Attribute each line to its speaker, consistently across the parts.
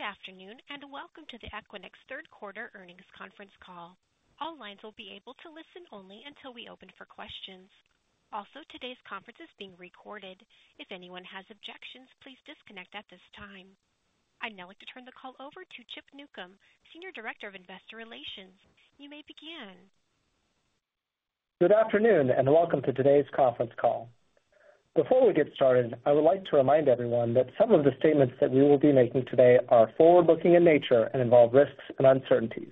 Speaker 1: Good afternoon and welcome to the Equinix Third Quarter Earnings Conference call. All lines will be able to listen only until we open for questions. Also, today's conference is being recorded. If anyone has objections, please disconnect at this time. I'd now like to turn the call over to Chip Newcom, Senior Director of Investor Relations. You may begin.
Speaker 2: Good afternoon and welcome to today's conference call. Before we get started, I would like to remind everyone that some of the statements that we will be making today are forward-looking in nature and involve risks and uncertainties.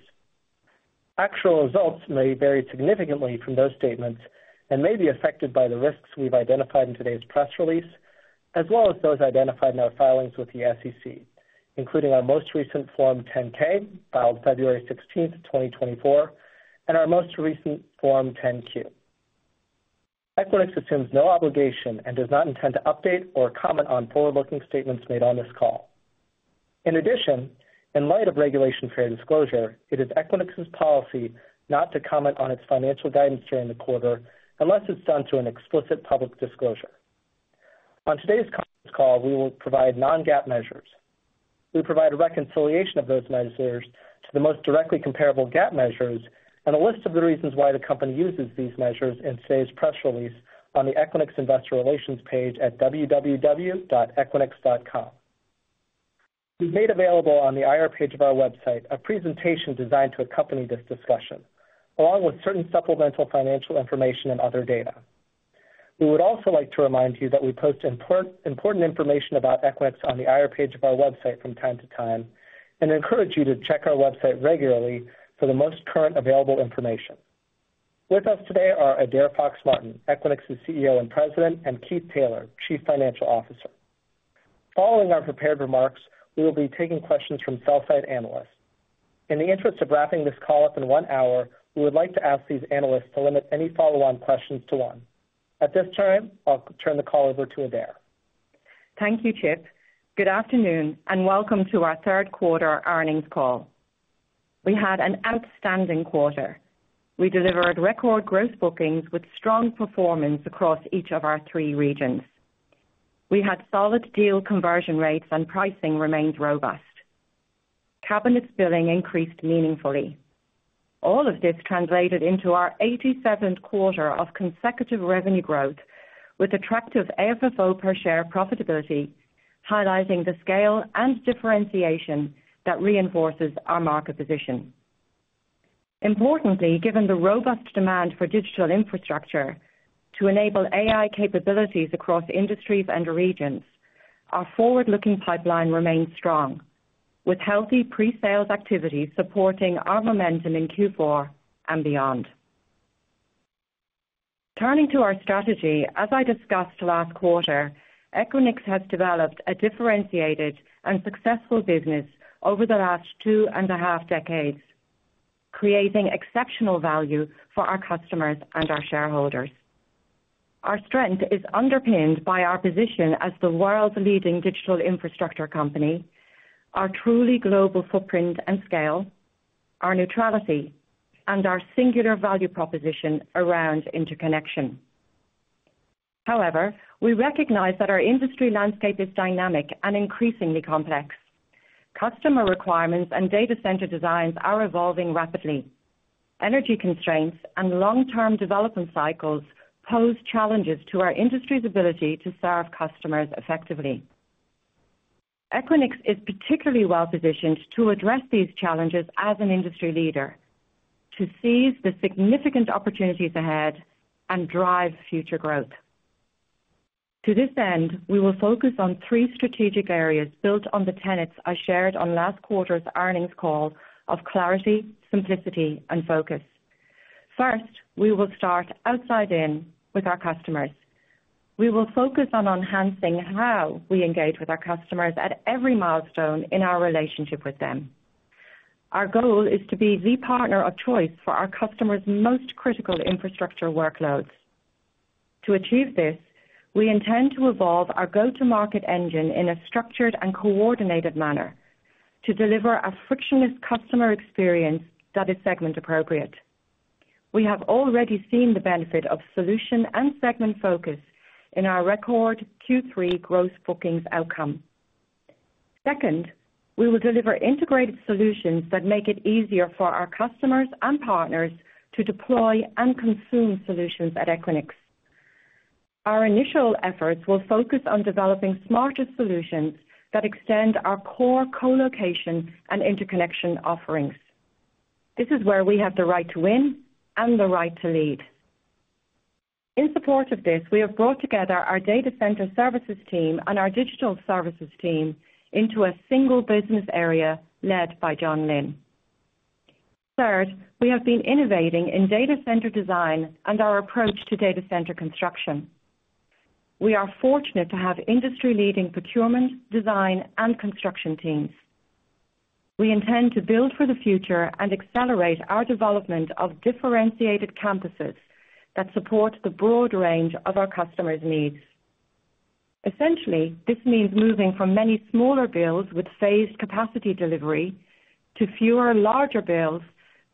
Speaker 2: Actual results may vary significantly from those statements and may be affected by the risks we've identified in today's press release, as well as those identified in our filings with the SEC, including our most recent Form 10-K, filed February 16th, 2024, and our most recent Form 10-Q. Equinix assumes no obligation and does not intend to update or comment on forward-looking statements made on this call. In addition, in light of Regulation Fair Disclosure, it is Equinix's policy not to comment on its financial guidance during the quarter unless it's done through an explicit public disclosure. On today's conference call, we will provide non-GAAP measures. We provide a reconciliation of those measures to the most directly comparable GAAP measures and a list of the reasons why the company uses these measures in today's press release on the Equinix Investor Relations page at www.equinix.com. We've made available on the IR page of our website a presentation designed to accompany this discussion, along with certain supplemental financial information and other data. We would also like to remind you that we post important information about Equinix on the IR page of our website from time to time and encourage you to check our website regularly for the most current available information. With us today are Adaire Fox-Martin, Equinix's CEO and President, and Keith Taylor, Chief Financial Officer. Following our prepared remarks, we will be taking questions from sell-side analysts. In the interest of wrapping this call up in one hour, we would like to ask these analysts to limit any follow-on questions to one. At this time, I'll turn the call over to Adaire.
Speaker 3: Thank you, Chip. Good afternoon and welcome to our Third Quarter Earnings Call. We had an outstanding quarter. We delivered record growth bookings with strong performance across each of our three regions. We had solid deal conversion rates and pricing remained robust. Cabinets' billing increased meaningfully. All of this translated into our 87th quarter of consecutive revenue growth with attractive FFO per share profitability, highlighting the scale and differentiation that reinforces our market position. Importantly, given the robust demand for digital infrastructure to enable AI capabilities across industries and regions, our forward-looking pipeline remained strong, with healthy pre-sales activity supporting our momentum in Q4 and beyond. Turning to our strategy, as I discussed last quarter, Equinix has developed a differentiated and successful business over the last two and a half decades, creating exceptional value for our customers and our shareholders. Our strength is underpinned by our position as the world's leading digital infrastructure company, our truly global footprint and scale, our neutrality, and our singular value proposition around interconnection. However, we recognize that our industry landscape is dynamic and increasingly complex. Customer requirements and data center designs are evolving rapidly. Energy constraints and long-term development cycles pose challenges to our industry's ability to serve customers effectively. Equinix is particularly well-positioned to address these challenges as an industry leader, to seize the significant opportunities ahead and drive future growth. To this end, we will focus on three strategic areas built on the tenets I shared on last quarter's earnings call of clarity, simplicity, and focus. First, we will start outside-in with our customers. We will focus on enhancing how we engage with our customers at every milestone in our relationship with them. Our goal is to be the partner of choice for our customers' most critical infrastructure workloads. To achieve this, we intend to evolve our go-to-market engine in a structured and coordinated manner to deliver a frictionless customer experience that is segment-appropriate. We have already seen the benefit of solution and segment focus in our record Q3 growth bookings outcome. Second, we will deliver integrated solutions that make it easier for our customers and partners to deploy and consume solutions at Equinix. Our initial efforts will focus on developing smarter solutions that extend our core colocation and interconnection offerings. This is where we have the right to win and the right to lead. In support of this, we have brought together our data center services team and our Digital Services team into a single business area led by Jon Lin. Third, we have been innovating in data center design and our approach to data center construction. We are fortunate to have industry-leading procurement, design, and construction teams. We intend to build for the future and accelerate our development of differentiated campuses that support the broad range of our customers' needs. Essentially, this means moving from many smaller builds with phased capacity delivery to fewer larger builds,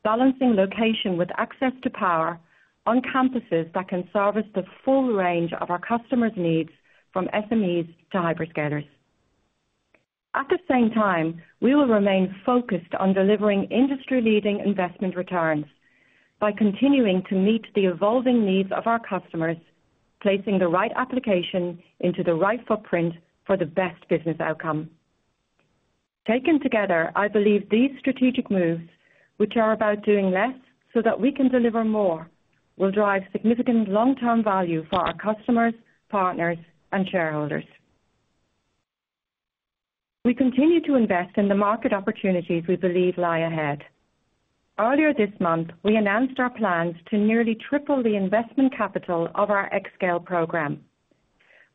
Speaker 3: balancing location with access to power on campuses that can service the full range of our customers' needs, from SMEs to hyperscalers. At the same time, we will remain focused on delivering industry-leading investment returns by continuing to meet the evolving needs of our customers, placing the right application into the right footprint for the best business outcome. Taken together, I believe these strategic moves, which are about doing less so that we can deliver more, will drive significant long-term value for our customers, partners, and shareholders. We continue to invest in the market opportunities we believe lie ahead. Earlier this month, we announced our plans to nearly triple the investment capital of our xScale program,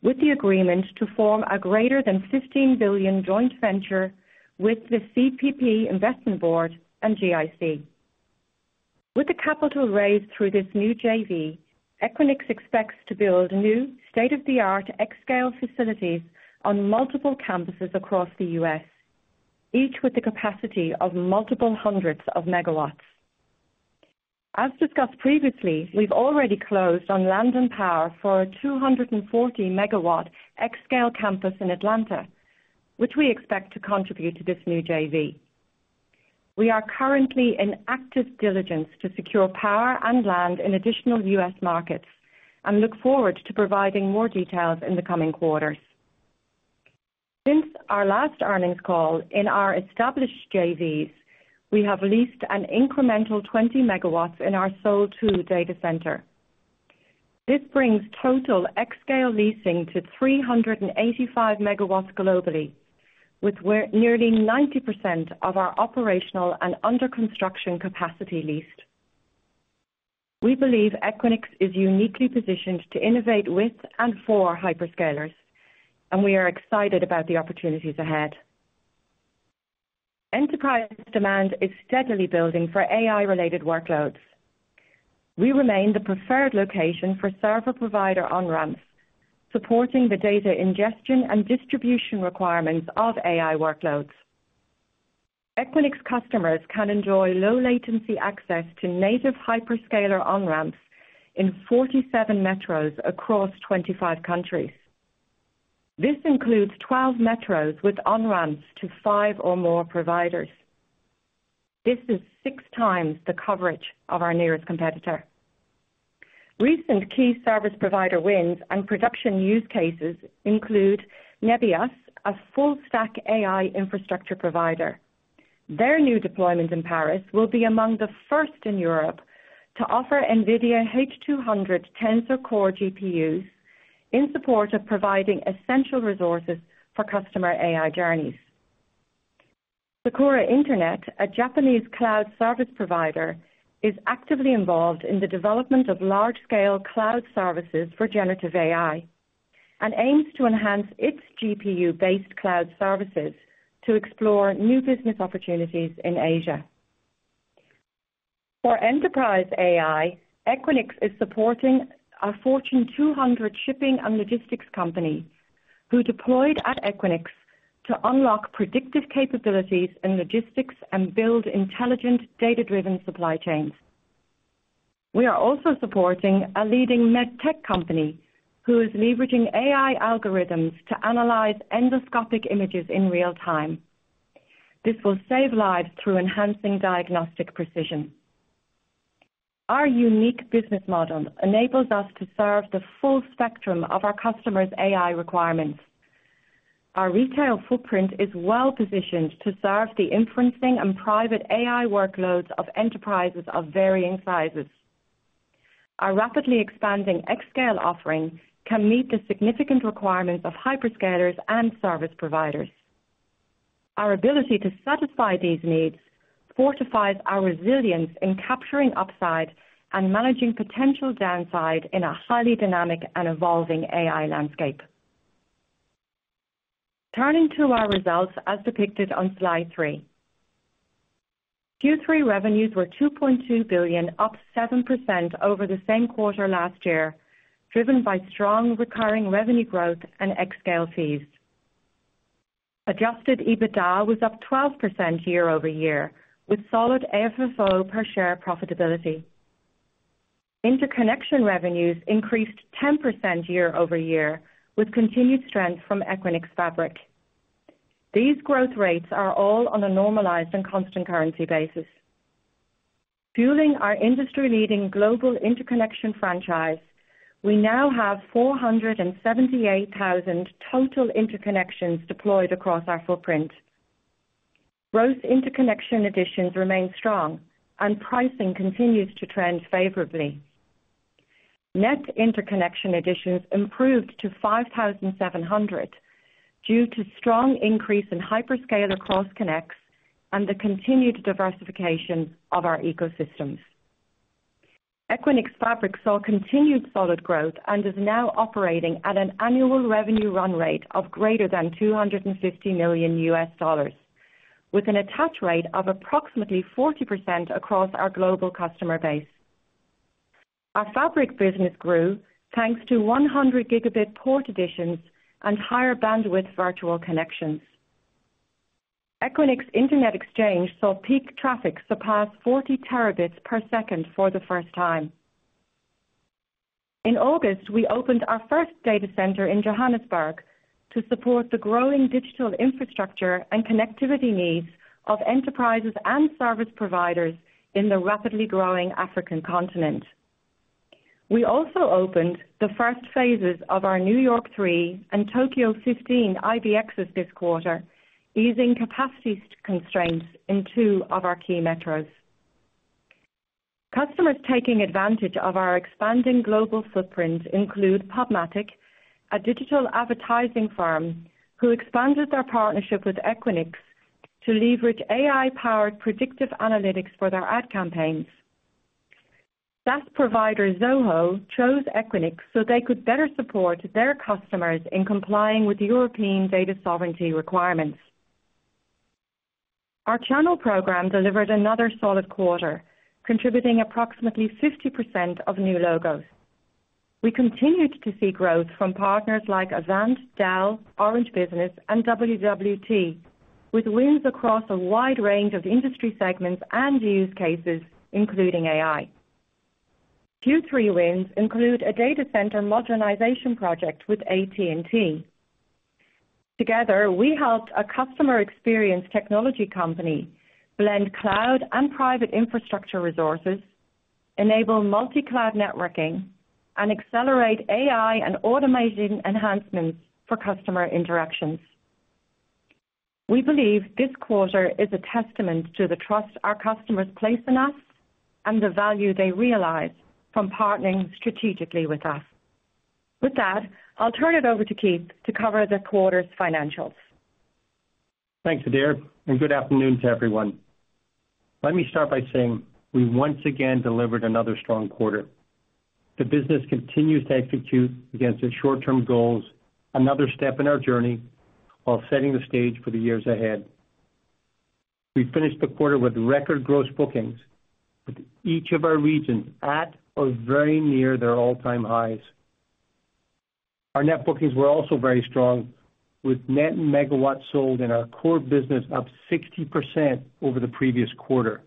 Speaker 3: with the agreement to form a greater than $15 billion joint venture with CPP Investments and GIC. With the capital raised through this new JV, Equinix expects to build new state-of-the-art xScale facilities on multiple campuses across the U.S., each with the capacity of multiple hundreds of megawatts. As discussed previously, we've already closed on land and power for a 240 megawatt xScale campus in Atlanta, which we expect to contribute to this new JV. We are currently in active diligence to secure power and land in additional U.S. markets and look forward to providing more details in the coming quarters. Since our last earnings call, in our established JVs, we have leased an incremental 20 megawatts in our Seoul 2 data center. This brings total xScale leasing to 385 megawatts globally, with nearly 90% of our operational and under-construction capacity leased. We believe Equinix is uniquely positioned to innovate with and for hyperscalers, and we are excited about the opportunities ahead. Enterprise demand is steadily building for AI-related workloads. We remain the preferred location for service provider on-ramps, supporting the data ingestion and distribution requirements of AI workloads. Equinix customers can enjoy low-latency access to native hyperscaler on-ramps in 47 metros across 25 countries. This includes 12 metros with on-ramps to five or more providers. This is six times the coverage of our nearest competitor. Recent key service provider wins and production use cases include Nebius, a full-stack AI infrastructure provider. Their new deployment in Paris will be among the first in Europe to offer NVIDIA H200 Tensor Core GPUs in support of providing essential resources for customer AI journeys. Sakura Internet, a Japanese cloud service provider, is actively involved in the development of large-scale cloud services for generative AI and aims to enhance its GPU-based cloud services to explore new business opportunities in Asia. For enterprise AI, Equinix is supporting a Fortune 200 shipping and logistics company who deployed at Equinix to unlock predictive capabilities in logistics and build intelligent, data-driven supply chains. We are also supporting a leading medtech company who is leveraging AI algorithms to analyze endoscopic images in real time. This will save lives through enhancing diagnostic precision. Our unique business model enables us to serve the full spectrum of our customers' AI requirements. Our retail footprint is well-positioned to serve the inferencing and private AI workloads of enterprises of varying sizes. Our rapidly expanding xScale offering can meet the significant requirements of hyperscalers and service providers. Our ability to satisfy these needs fortifies our resilience in capturing upside and managing potential downside in a highly dynamic and evolving AI landscape. Turning to our results as depicted on slide three, Q3 revenues were $2.2 billion, up 7% over the same quarter last year, driven by strong recurring revenue growth and xScale fees. Adjusted EBITDA was up 12% year over year, with solid FFO per share profitability. Interconnection revenues increased 10% year over year, with continued strength from Equinix Fabric. These growth rates are all on a normalized and constant currency basis. Fueling our industry-leading global interconnection franchise, we now have 478,000 total interconnections deployed across our footprint. Gross interconnection additions remain strong, and pricing continues to trend favorably. Net interconnection additions improved to 5,700 due to strong increase in hyperscale Cross Connects and the continued diversification of our ecosystems. Equinix Fabric saw continued solid growth and is now operating at an annual revenue run rate of greater than $250 million, with an attach rate of approximately 40% across our global customer base. Our fabric business grew thanks to 100 gigabit port additions and higher bandwidth virtual connections. Equinix Internet Exchange saw peak traffic surpass 40 terabits per second for the first time. In August, we opened our first data center in Johannesburg to support the growing digital infrastructure and connectivity needs of enterprises and service providers in the rapidly growing African continent. We also opened the first phases of our New York 3 and Tokyo 15 IBXs this quarter, easing capacity constraints in two of our key metros. Customers taking advantage of our expanding global footprint include PubMatic, a digital advertising firm who expanded their partnership with Equinix to leverage AI-powered predictive analytics for their ad campaigns. SaaS provider Zoho chose Equinix so they could better support their customers in complying with European data sovereignty requirements. Our channel program delivered another solid quarter, contributing approximately 50% of new logos. We continued to see growth from partners like Avant, Dell, Orange Business, and WWT, with wins across a wide range of industry segments and use cases, including AI. Q3 wins include a data center modernization project with AT&T. Together, we helped a customer experience technology company blend cloud and private infrastructure resources, enable multi-cloud networking, and accelerate AI and automation enhancements for customer interactions. We believe this quarter is a testament to the trust our customers place in us and the value they realize from partnering strategically with us. With that, I'll turn it over to Keith to cover the quarter's financials.
Speaker 4: Thanks, Adaire, and good afternoon to everyone. Let me start by saying we once again delivered another strong quarter. The business continues to execute against its short-term goals, another step in our journey while setting the stage for the years ahead. We finished the quarter with record growth bookings, with each of our regions at or very near their all-time highs. Our net bookings were also very strong, with net megawatts sold in our core business up 60% over the previous quarter,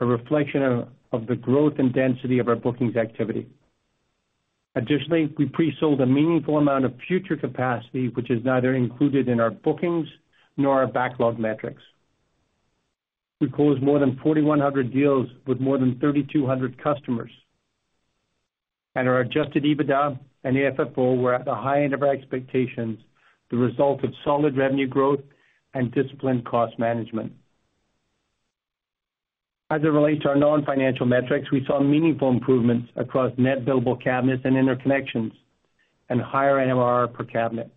Speaker 4: a reflection of the growth and density of our bookings activity. Additionally, we pre-sold a meaningful amount of future capacity, which is neither included in our bookings nor our backlog metrics. We closed more than 4,100 deals with more than 3,200 customers, and our Adjusted EBITDA and AFFO were at the high end of our expectations, the result of solid revenue growth and disciplined cost management. As it relates to our non-financial metrics, we saw meaningful improvements across net billable cabinets and interconnections and higher MRR per cabinet.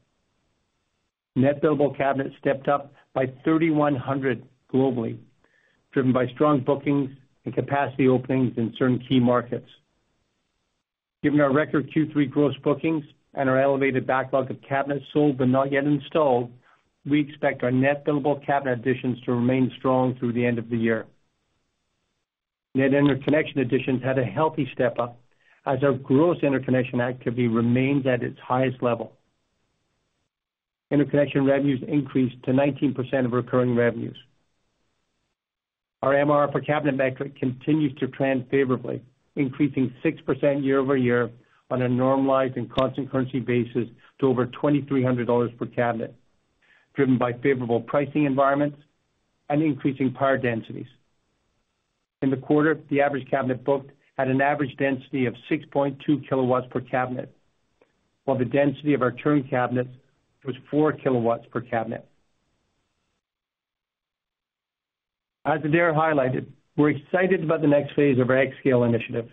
Speaker 4: Net billable cabinets stepped up by 3,100 globally, driven by strong bookings and capacity openings in certain key markets. Given our record Q3 growth bookings and our elevated backlog of cabinets sold but not yet installed, we expect our net billable cabinet additions to remain strong through the end of the year. Net interconnection additions had a healthy step up as our gross interconnection activity remains at its highest level. Interconnection revenues increased to 19% of recurring revenues. Our MRR per cabinet metric continues to trend favorably, increasing 6% year over year on a normalized and constant currency basis to over $2,300 per cabinet, driven by favorable pricing environments and increasing power densities. In the quarter, the average cabinet booked had an average density of 6.2 kilowatts per cabinet, while the density of our turn cabinets was 4 kilowatts per cabinet. As Adaire highlighted, we're excited about the next phase of our xScale initiative.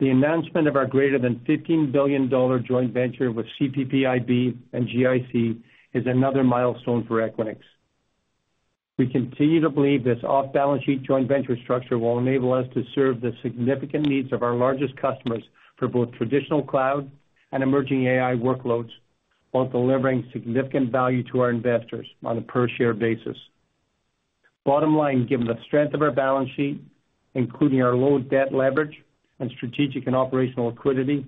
Speaker 4: The announcement of our greater than $15 billion joint venture with CPPIB and GIC is another milestone for Equinix. We continue to believe this off-balance sheet joint venture structure will enable us to serve the significant needs of our largest customers for both traditional cloud and emerging AI workloads, while delivering significant value to our investors on a per-share basis. Bottom line, given the strength of our balance sheet, including our low debt leverage and strategic and operational liquidity,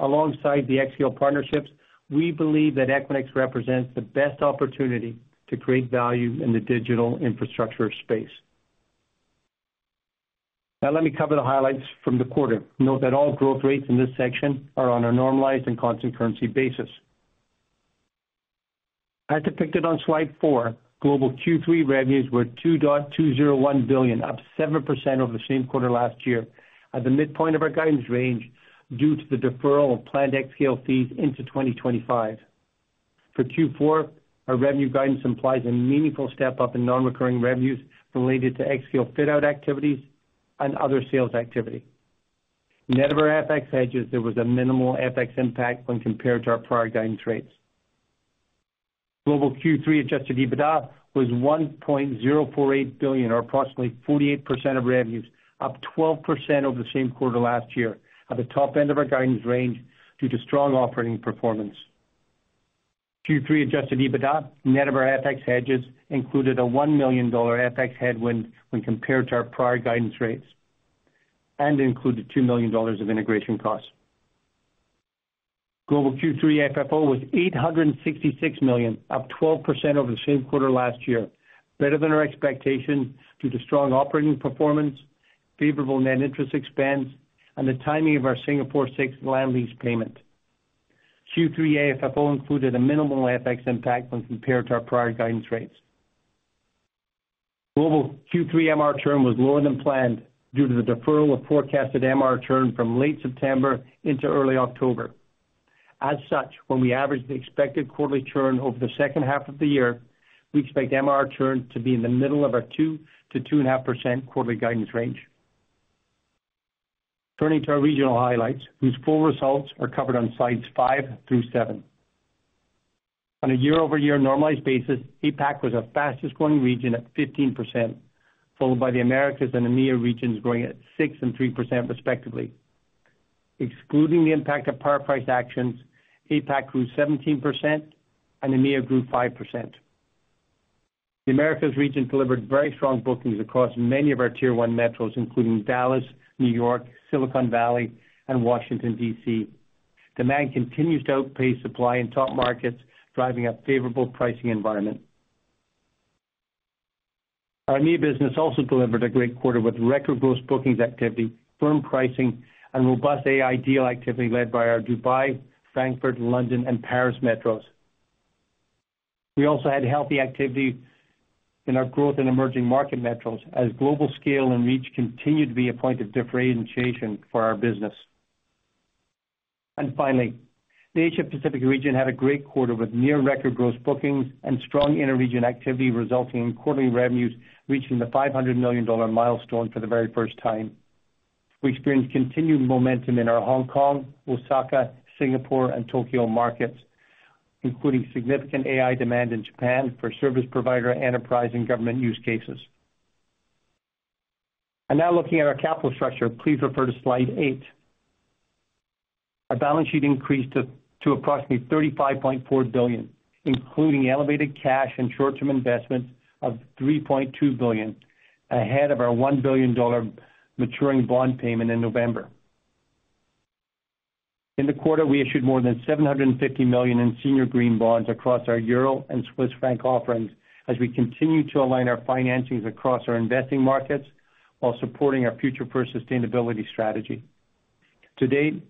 Speaker 4: alongside the xScale partnerships, we believe that Equinix represents the best opportunity to create value in the digital infrastructure space. Now, let me cover the highlights from the quarter. Note that all growth rates in this section are on a normalized and constant currency basis. As depicted on slide four, global Q3 revenues were $2.201 billion, up 7% over the same quarter last year, at the midpoint of our guidance range due to the deferral of planned xScale fees into 2025. For Q4, our revenue guidance implies a meaningful step up in non-recurring revenues related to xScale fit-out activities and other sales activity. Net of our FX hedges, there was a minimal FX impact when compared to our prior guidance rates. Global Q3 adjusted EBITDA was $1.048 billion, or approximately 48% of revenues, up 12% over the same quarter last year, at the top end of our guidance range due to strong operating performance. Q3 adjusted EBITDA, net of our FX hedges, included a $1 million FX headwind when compared to our prior guidance rates and included $2 million of integration costs. Global Q3 FFO was $866 million, up 12% over the same quarter last year, better than our expectations due to strong operating performance, favorable net interest expense, and the timing of our Singapore 6 land lease payment. Q3 AFFO included a minimal FX impact when compared to our prior guidance rates. Global Q3 MRR churn was lower than planned due to the deferral of forecasted MRR churn from late September into early October. As such, when we average the expected quarterly churn over the second half of the year, we expect MRR churn to be in the middle of our 2-2.5% quarterly guidance range. Turning to our regional highlights, whose full results are covered on slides five through seven. On a year-over-year normalized basis, APAC was a fastest-growing region at 15%, followed by the Americas and EMEA regions growing at 6% and 3%, respectively. Excluding the impact of power price actions, APAC grew 17% and EMEA grew 5%. The Americas region delivered very strong bookings across many of our Tier 1 metros, including Dallas, New York, Silicon Valley, and Washington, D.C. Demand continues to outpace supply in top markets, driving a favorable pricing environment. Our EMEA business also delivered a great quarter with record growth bookings activity, firm pricing, and robust AI deal activity led by our Dubai, Frankfurt, London, and Paris metros. We also had healthy activity in our growth and emerging market metros as global scale and reach continued to be a point of differentiation for our business. And finally, the Asia-Pacific region had a great quarter with near-record growth bookings and strong inter-region activity, resulting in quarterly revenues reaching the $500 million milestone for the very first time. We experienced continued momentum in our Hong Kong, Osaka, Singapore, and Tokyo markets, including significant AI demand in Japan for service provider enterprise and government use cases. And now, looking at our capital structure, please refer to slide eight. Our balance sheet increased to approximately $35.4 billion, including elevated cash and short-term investments of $3.2 billion, ahead of our $1 billion maturing bond payment in November. In the quarter, we issued more than $750 million in senior green bonds across our euro and Swiss franc offerings as we continue to align our financings across our investing markets while supporting our Future First sustainability strategy. To date,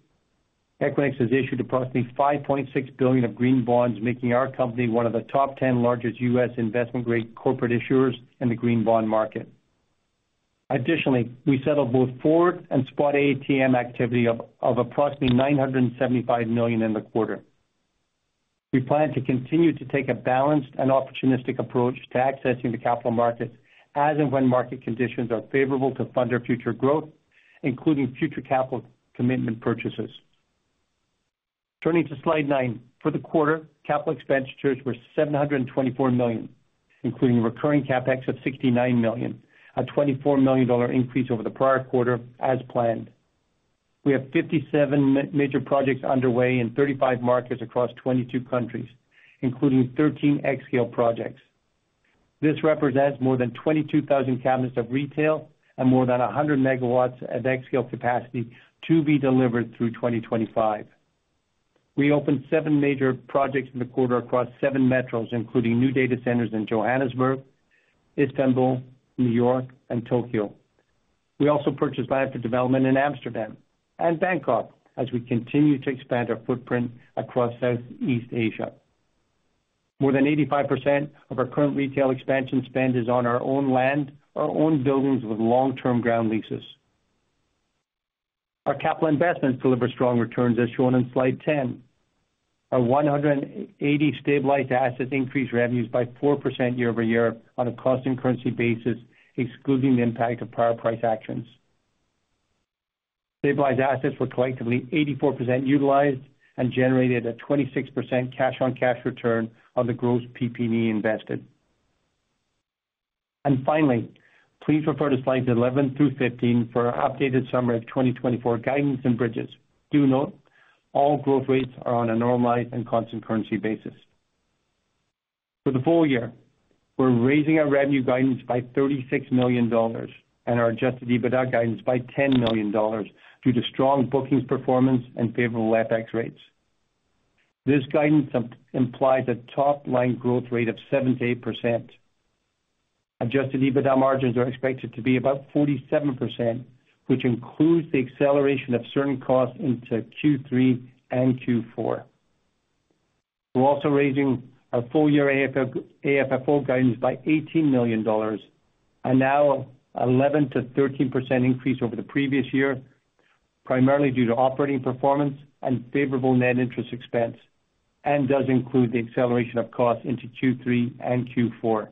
Speaker 4: Equinix has issued approximately $5.6 billion of green bonds, making our company one of the top 10 largest U.S. investment-grade corporate issuers in the green bond market. Additionally, we settled both forward and spot ATM activity of approximately $975 million in the quarter. We plan to continue to take a balanced and opportunistic approach to accessing the capital markets as and when market conditions are favorable to fund our future growth, including future capital commitment purchases. Turning to slide nine, for the quarter, capital expenditures were $724 million, including recurring CapEx of $69 million, a $24 million increase over the prior quarter, as planned. We have 57 major projects underway in 35 markets across 22 countries, including 13 xScale projects. This represents more than 22,000 cabinets of retail and more than 100 megawatts of xScale capacity to be delivered through 2025. We opened seven major projects in the quarter across seven metros, including new data centers in Johannesburg, Istanbul, New York, and Tokyo. We also purchased land for development in Amsterdam and Bangkok as we continue to expand our footprint across Southeast Asia. More than 85% of our current retail expansion spend is on our own land or own buildings with long-term ground leases. Our capital investments deliver strong returns, as shown on slide 10. Our 180 stabilized assets increased revenues by 4% year over year on a constant and currency basis, excluding the impact of power price actions. Stabilized assets were collectively 84% utilized and generated a 26% cash-on-cash return on the gross PPE invested. And finally, please refer to slides 11 through 15 for our updated summary of 2024 guidance and bridges. Do note, all growth rates are on a normalized and constant currency basis. For the full year, we're raising our revenue guidance by $36 million and our adjusted EBITDA guidance by $10 million due to strong bookings performance and favorable FX rates. This guidance implies a top-line growth rate of 7%-8%. Adjusted EBITDA margins are expected to be about 47%, which includes the acceleration of certain costs into Q3 and Q4. We're also raising our full-year AFFO guidance by $18 million, a now 11% to 13% increase over the previous year, primarily due to operating performance and favorable net interest expense, and does include the acceleration of costs into Q3 and Q4.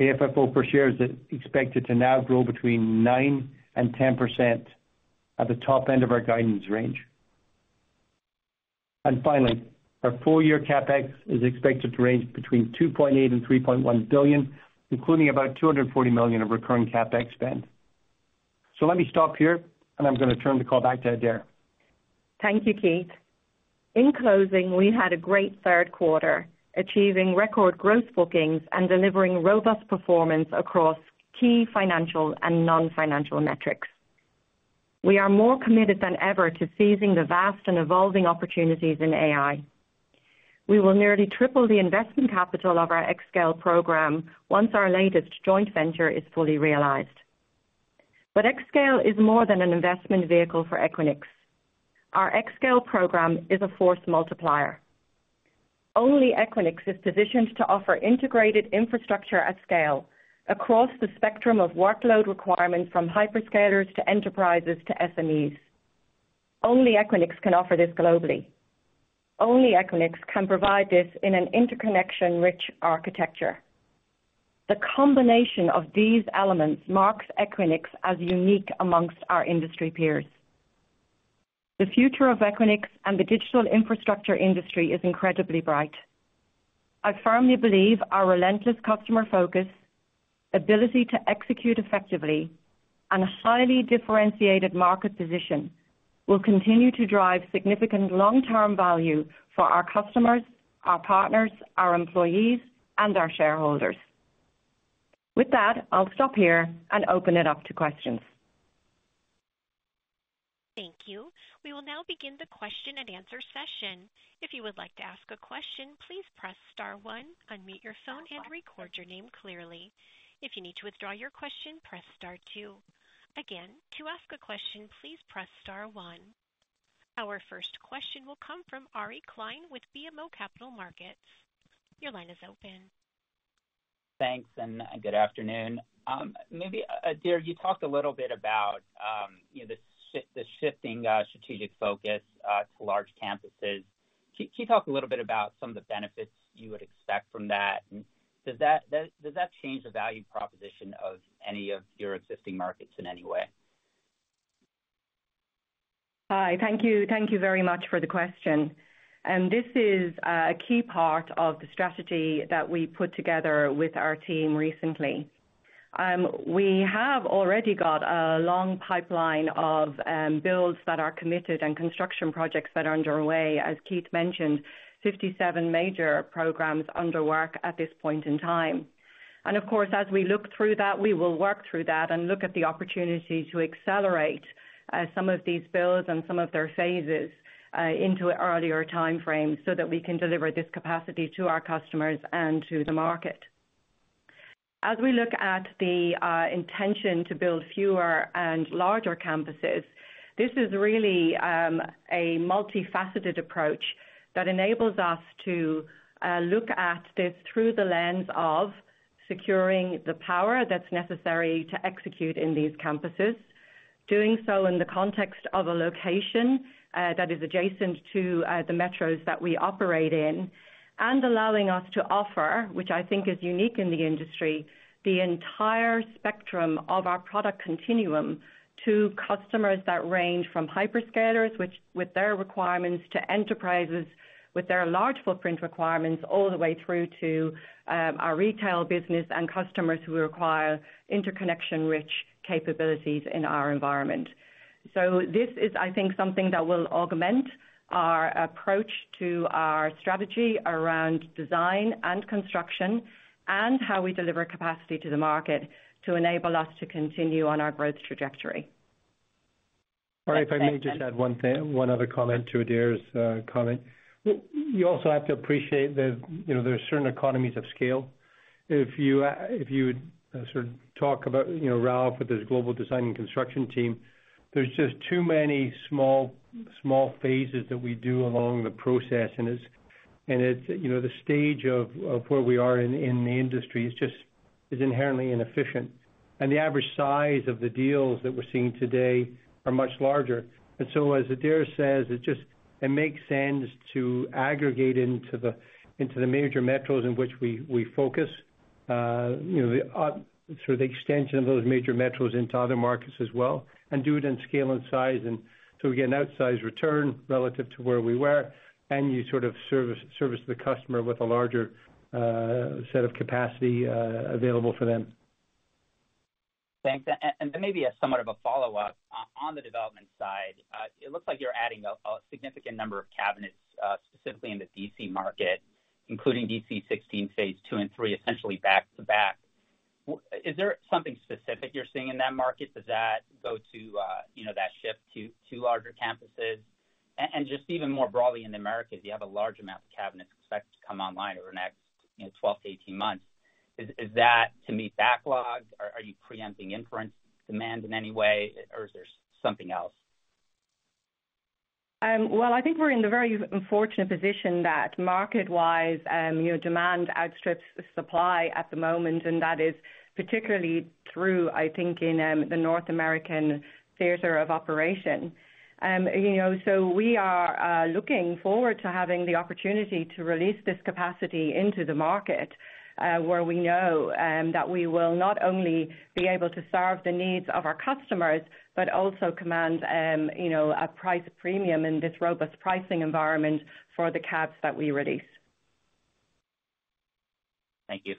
Speaker 4: AFFO per share is expected to now grow between 9% and 10% at the top end of our guidance range. And finally, our full-year CapEx is expected to range between $2.8 and $3.1 billion, including about $240 million of recurring CapEx spend. So let me stop here, and I'm going to turn the call back to Adaire.
Speaker 3: Thank you, Keith. In closing, we had a great third quarter, achieving record growth bookings and delivering robust performance across key financial and non-financial metrics. We are more committed than ever to seizing the vast and evolving opportunities in AI. We will nearly triple the investment capital of our xScale program once our latest joint venture is fully realized. But xScale is more than an investment vehicle for Equinix. Our xScale program is a force multiplier. Only Equinix is positioned to offer integrated infrastructure at scale across the spectrum of workload requirements from hyperscalers to enterprises to SMEs. Only Equinix can offer this globally. Only Equinix can provide this in an interconnection-rich architecture. The combination of these elements marks Equinix as unique among our industry peers. The future of Equinix and the digital infrastructure industry is incredibly bright. I firmly believe our relentless customer focus, ability to execute effectively, and highly differentiated market position will continue to drive significant long-term value for our customers, our partners, our employees, and our shareholders. With that, I'll stop here and open it up to questions.
Speaker 1: Thank you. We will now begin the question-and-answer session. If you would like to ask a question, please press *1, unmute your phone, and record your name clearly. If you need to withdraw your question, press *2. Again, to ask a question, please press *1. Our first question will come from Ari Klein with BMO Capital Markets. Your line is open.
Speaker 5: Thanks and good afternoon. Maybe, Adaire, you talked a little bit about the shifting strategic focus to large campuses. Can you talk a little bit about some of the benefits you would expect from that? Does that change the value proposition of any of your existing markets in any way?
Speaker 3: Hi, thank you very much for the question, and this is a key part of the strategy that we put together with our team recently. We have already got a long pipeline of builds that are committed and construction projects that are underway, as Keith mentioned, 57 major programs under work at this point in time, and of course, as we look through that, we will work through that and look at the opportunity to accelerate some of these builds and some of their phases into earlier timeframes so that we can deliver this capacity to our customers and to the market. As we look at the intention to build fewer and larger campuses, this is really a multifaceted approach that enables us to look at this through the lens of securing the power that's necessary to execute in these campuses, doing so in the context of a location that is adjacent to the metros that we operate in, and allowing us to offer, which I think is unique in the industry, the entire spectrum of our product continuum to customers that range from hyperscalers, with their requirements, to enterprises with their large footprint requirements, all the way through to our retail business and customers who require interconnection-rich capabilities in our environment, so this is, I think, something that will augment our approach to our strategy around design and construction and how we deliver capacity to the market to enable us to continue on our growth trajectory.
Speaker 4: All right, if I may just add one other comment to Adaire's comment. You also have to appreciate there are certain economies of scale. If you sort of talk about Raouf with his global design and construction team, there's just too many small phases that we do along the process. And the stage of where we are in the industry is just inherently inefficient. And the average size of the deals that we're seeing today are much larger. And so, as Adaire says, it makes sense to aggregate into the major metros in which we focus, sort of the extension of those major metros into other markets as well, and do it in scale and size. And so we get an outsized return relative to where we were, and you sort of service the customer with a larger set of capacity available for them. Thanks.
Speaker 5: Then maybe somewhat of a follow-up on the development side. It looks like you're adding a significant number of cabinets, specifically in the DC market, including DC16 phase two and three, essentially back to back. Is there something specific you're seeing in that market? Does that go to that shift to larger campuses? And just even more broadly in America, if you have a large amount of cabinets expected to come online over the next 12-18 months, is that to meet backlog? Are you preempting inference demand in any way, or is there something else? I think we're in the very unfortunate position that market-wise, demand outstrips supply at the moment, and that is particularly true, I think, in the North American theater of operation.
Speaker 3: So we are looking forward to having the opportunity to release this capacity into the market where we know that we will not only be able to serve the needs of our customers, but also command a price premium in this robust pricing environment for the cabs that we release.
Speaker 5: Thank you.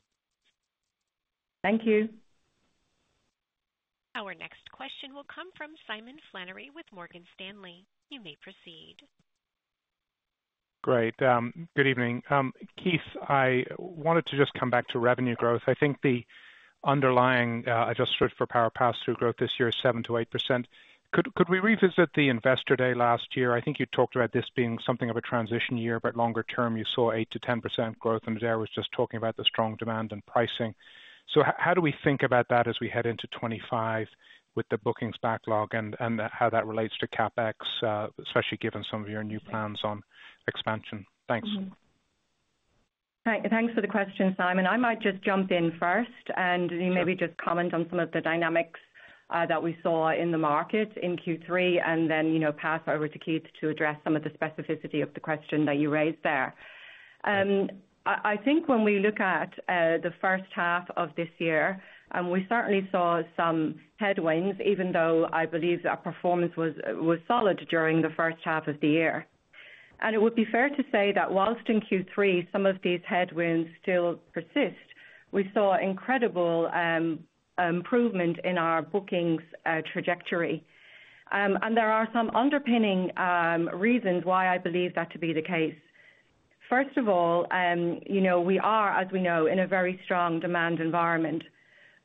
Speaker 3: Thank you.
Speaker 1: Our next question will come from Simon Flannery with Morgan Stanley. You may proceed.
Speaker 6: Great. Good evening. Keith, I wanted to just come back to revenue growth. I think the underlying adjusted for power pass-through growth this year is 7%-8%. Could we revisit the investor day last year? I think you talked about this being something of a transition year, but longer term, you saw 8%-10% growth, and Adaire was just talking about the strong demand and pricing. So how do we think about that as we head into 2025 with the bookings backlog and how that relates to CapEx, especially given some of your new plans on expansion? Thanks.
Speaker 3: Thanks for the question, Simon. I might just jump in first and maybe just comment on some of the dynamics that we saw in the market in Q3, and then pass over to Keith to address some of the specificity of the question that you raised there. I think when we look at the first half of this year, we certainly saw some headwinds, even though I believe our performance was solid during the first half of the year. And it would be fair to say that while in Q3, some of these headwinds still persist, we saw incredible improvement in our bookings trajectory. And there are some underpinning reasons why I believe that to be the case. First of all, we are, as we know, in a very strong demand environment,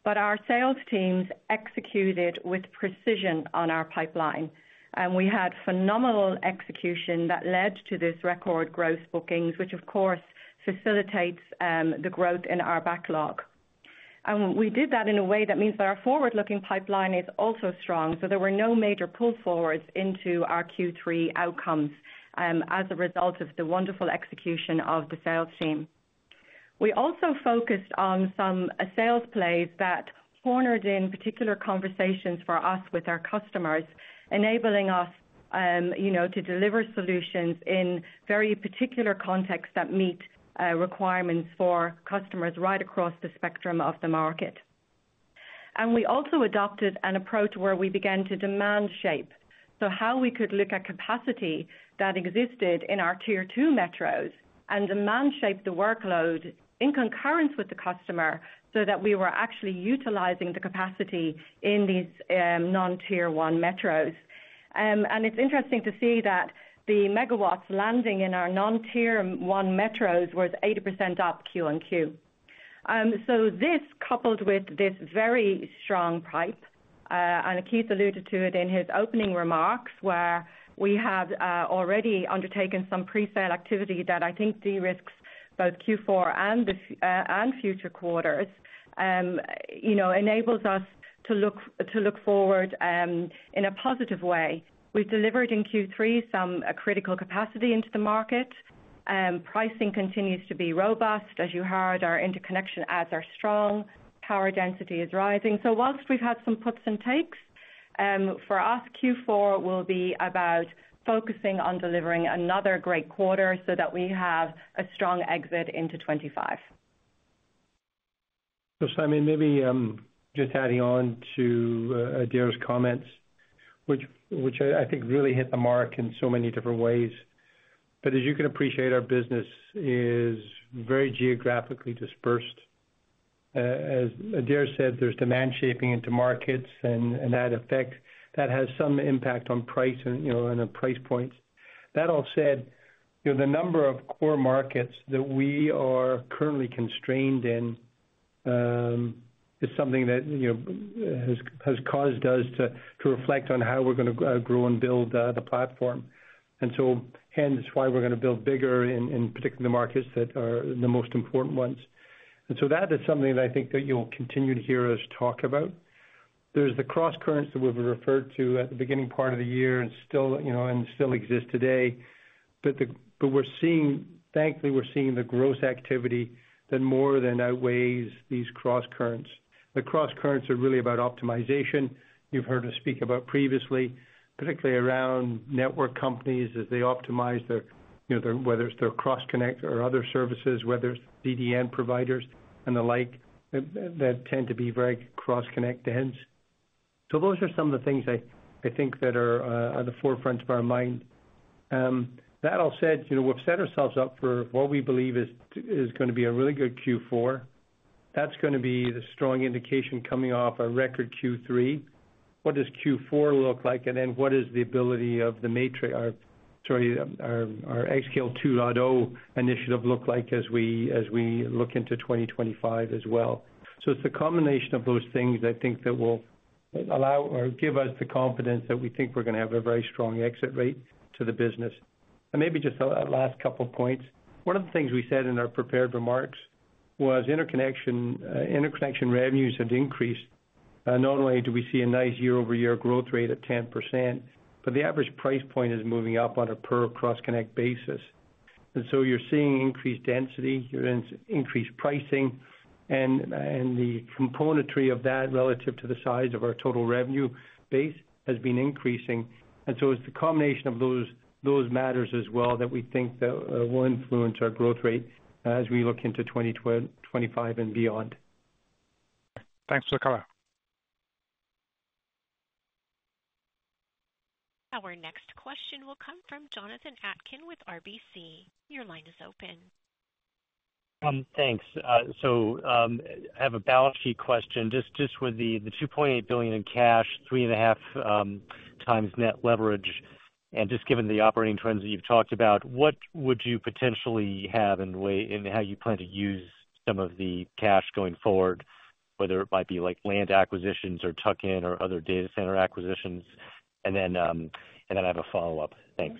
Speaker 3: but our sales teams executed with precision on our pipeline. And we had phenomenal execution that led to this record growth bookings, which, of course, facilitates the growth in our backlog. And we did that in a way that means that our forward-looking pipeline is also strong. So there were no major pull forwards into our Q3 outcomes as a result of the wonderful execution of the sales team. We also focused on some sales plays that centered in particular conversations for us with our customers, enabling us to deliver solutions in very particular contexts that meet requirements for customers right across the spectrum of the market. And we also adopted an approach where we began to shape demand. So, how we could look at capacity that existed in our tier two metros and demand shape the workload in concurrence with the customer so that we were actually utilizing the capacity in these non-Tier 1 metros, and it's interesting to see that the megawatts landing in our non-Tier 1 metros was 80% up Q on Q. So, this, coupled with this very strong pipe, and Keith alluded to it in his opening remarks, where we have already undertaken some presale activity that I think de-risks both Q4 and future quarters, enables us to look forward in a positive way. We've delivered in Q3 some critical capacity into the market. Pricing continues to be robust. As you heard, our interconnection adds are strong. Power density is rising. While we've had some puts and takes, for us, Q4 will be about focusing on delivering another great quarter so that we have a strong exit into '25.
Speaker 4: So Simon, maybe just adding on to Adaire's comments, which I think really hit the mark in so many different ways. But as you can appreciate, our business is very geographically dispersed. As Adaire said, there's demand shaping into markets and that effect that has some impact on price and on price points. That all said, the number of core markets that we are currently constrained in is something that has caused us to reflect on how we're going to grow and build the platform. And so hence, why we're going to build bigger in particular the markets that are the most important ones. And so that is something that I think that you'll continue to hear us talk about. There's the cross currents that we've referred to at the beginning part of the year and still exist today. But thankfully, we're seeing the gross activity that more than outweighs these cross currents. The cross currents are really about optimization. You've heard us speak about previously, particularly around network companies as they optimize their, whether it's their Cross Connect or other services, whether it's CDN providers and the like, that tend to be very Cross Connect dense. So those are some of the things I think that are at the forefront of our mind. That all said, we've set ourselves up for what we believe is going to be a really good Q4. That's going to be the strong indication coming off a record Q3. What does Q4 look like? And then what is the ability of the xScale 2.0 initiative look like as we look into 2025 as well? So it's the combination of those things, I think, that will give us the confidence that we think we're going to have a very strong exit rate to the business. And maybe just a last couple of points. One of the things we said in our prepared remarks was interconnection revenues have increased. Not only do we see a nice year-over-year growth rate at 10%, but the average price point is moving up on a per Cross Connect basis. And so you're seeing increased density, increased pricing, and the componentry of that relative to the size of our total revenue base has been increasing. And so it's the combination of those matters as well that we think will influence our growth rate as we look into 2025 and beyond.
Speaker 6: Thanks for the cover.
Speaker 1: Our next question will come from Jonathan Atkin with RBC. Your line is open. Thanks.
Speaker 7: I have a balance sheet question. Just with the $2.8 billion in cash, three and a half times net leverage, and just given the operating trends that you've talked about, what would you potentially have in how you plan to use some of the cash going forward, whether it might be like land acquisitions or tuck-in or other data center acquisitions? I have a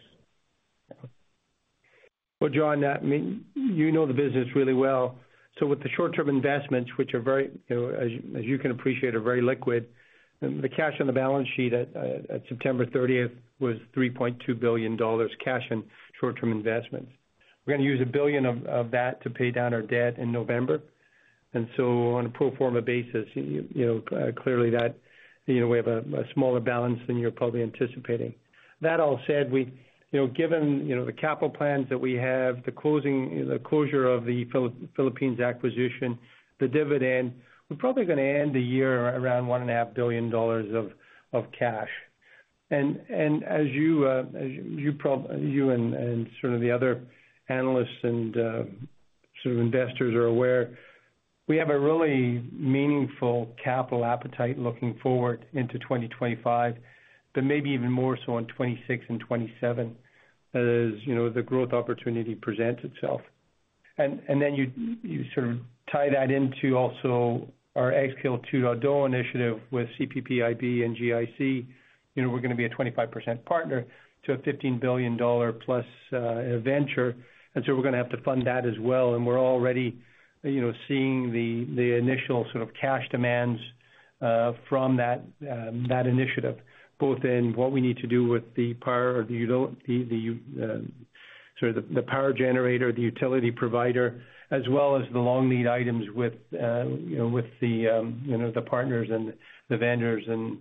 Speaker 7: follow-up. Thanks.
Speaker 4: Jon, you know the business really well. With the short-term investments, which, as you can appreciate, are very liquid, the cash on the balance sheet at September 30th was $3.2 billion cash and short-term investments. We're going to use $1 billion of that to pay down our debt in November. On a pro forma basis, clearly, we have a smaller balance than you're probably anticipating. That all said, given the capital plans that we have, the closure of the Philippines acquisition, the dividend, we're probably going to end the year around $1.5 billion of cash, and as you and sort of the other analysts and sort of investors are aware, we have a really meaningful capital appetite looking forward into 2025, but maybe even more so in 2026 and 2027 as the growth opportunity presents itself, and then you sort of tie that into also our xScale 2.0 initiative with CPPIB and GIC. We're going to be a 25% partner to a $15 billion plus venture, and so we're going to have to fund that as well. We're already seeing the initial sort of cash demands from that initiative, both in what we need to do with the power of the sort of the power generator, the utility provider, as well as the long need items with the partners and the vendors, and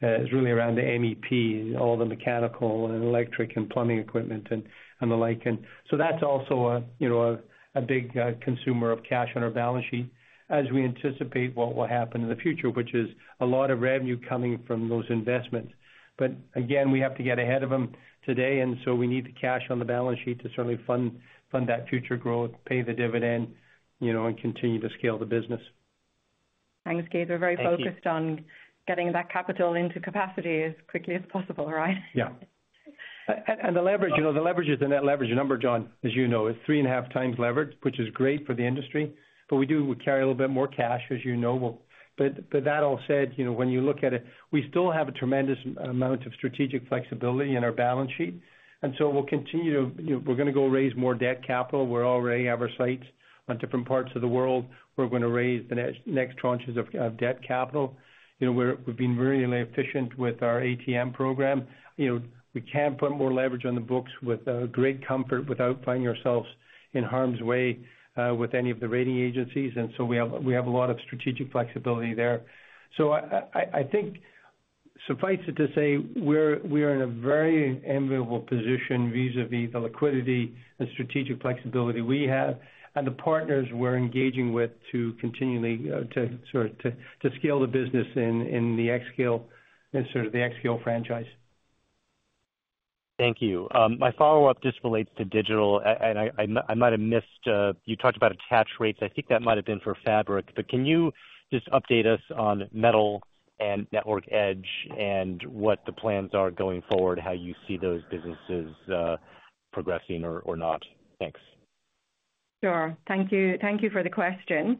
Speaker 4: it's really around the MEP, all the mechanical and electric and plumbing equipment and the like. That's also a big consumer of cash on our balance sheet as we anticipate what will happen in the future, which is a lot of revenue coming from those investments. Again, we have to get ahead of them today. We need the cash on the balance sheet to certainly fund that future growth, pay the dividend, and continue to scale the business.
Speaker 3: Thanks, Keith. We're very focused on getting that capital into capacity as quickly as possible, right? Yeah.
Speaker 4: The leverage, the leverage is the net leverage number, Jon, as you know, is three and a half times leverage, which is great for the industry. We do carry a little bit more cash, as you know. That all said, when you look at it, we still have a tremendous amount of strategic flexibility in our balance sheet. We'll continue to, we're going to go raise more debt capital. We're already setting our sights on different parts of the world. We're going to raise the next tranches of debt capital. We've been really efficient with our ATM program. We can put more leverage on the books with great comfort without finding ourselves in harm's way with any of the rating agencies. We have a lot of strategic flexibility there. So I think suffice it to say we're in a very enviable position vis-à-vis the liquidity and strategic flexibility we have and the partners we're engaging with to continually sort of to scale the business in the xScale and sort of the xScale franchise. Thank you. My follow-up just relates to digital. And I might have missed you talked about attach rates. I think that might have been for Fabric. But can you just update us on metal and network edge and what the plans are going forward, how you see those businesses progressing or not?
Speaker 7: Thanks. Sure.
Speaker 3: Thank you for the question.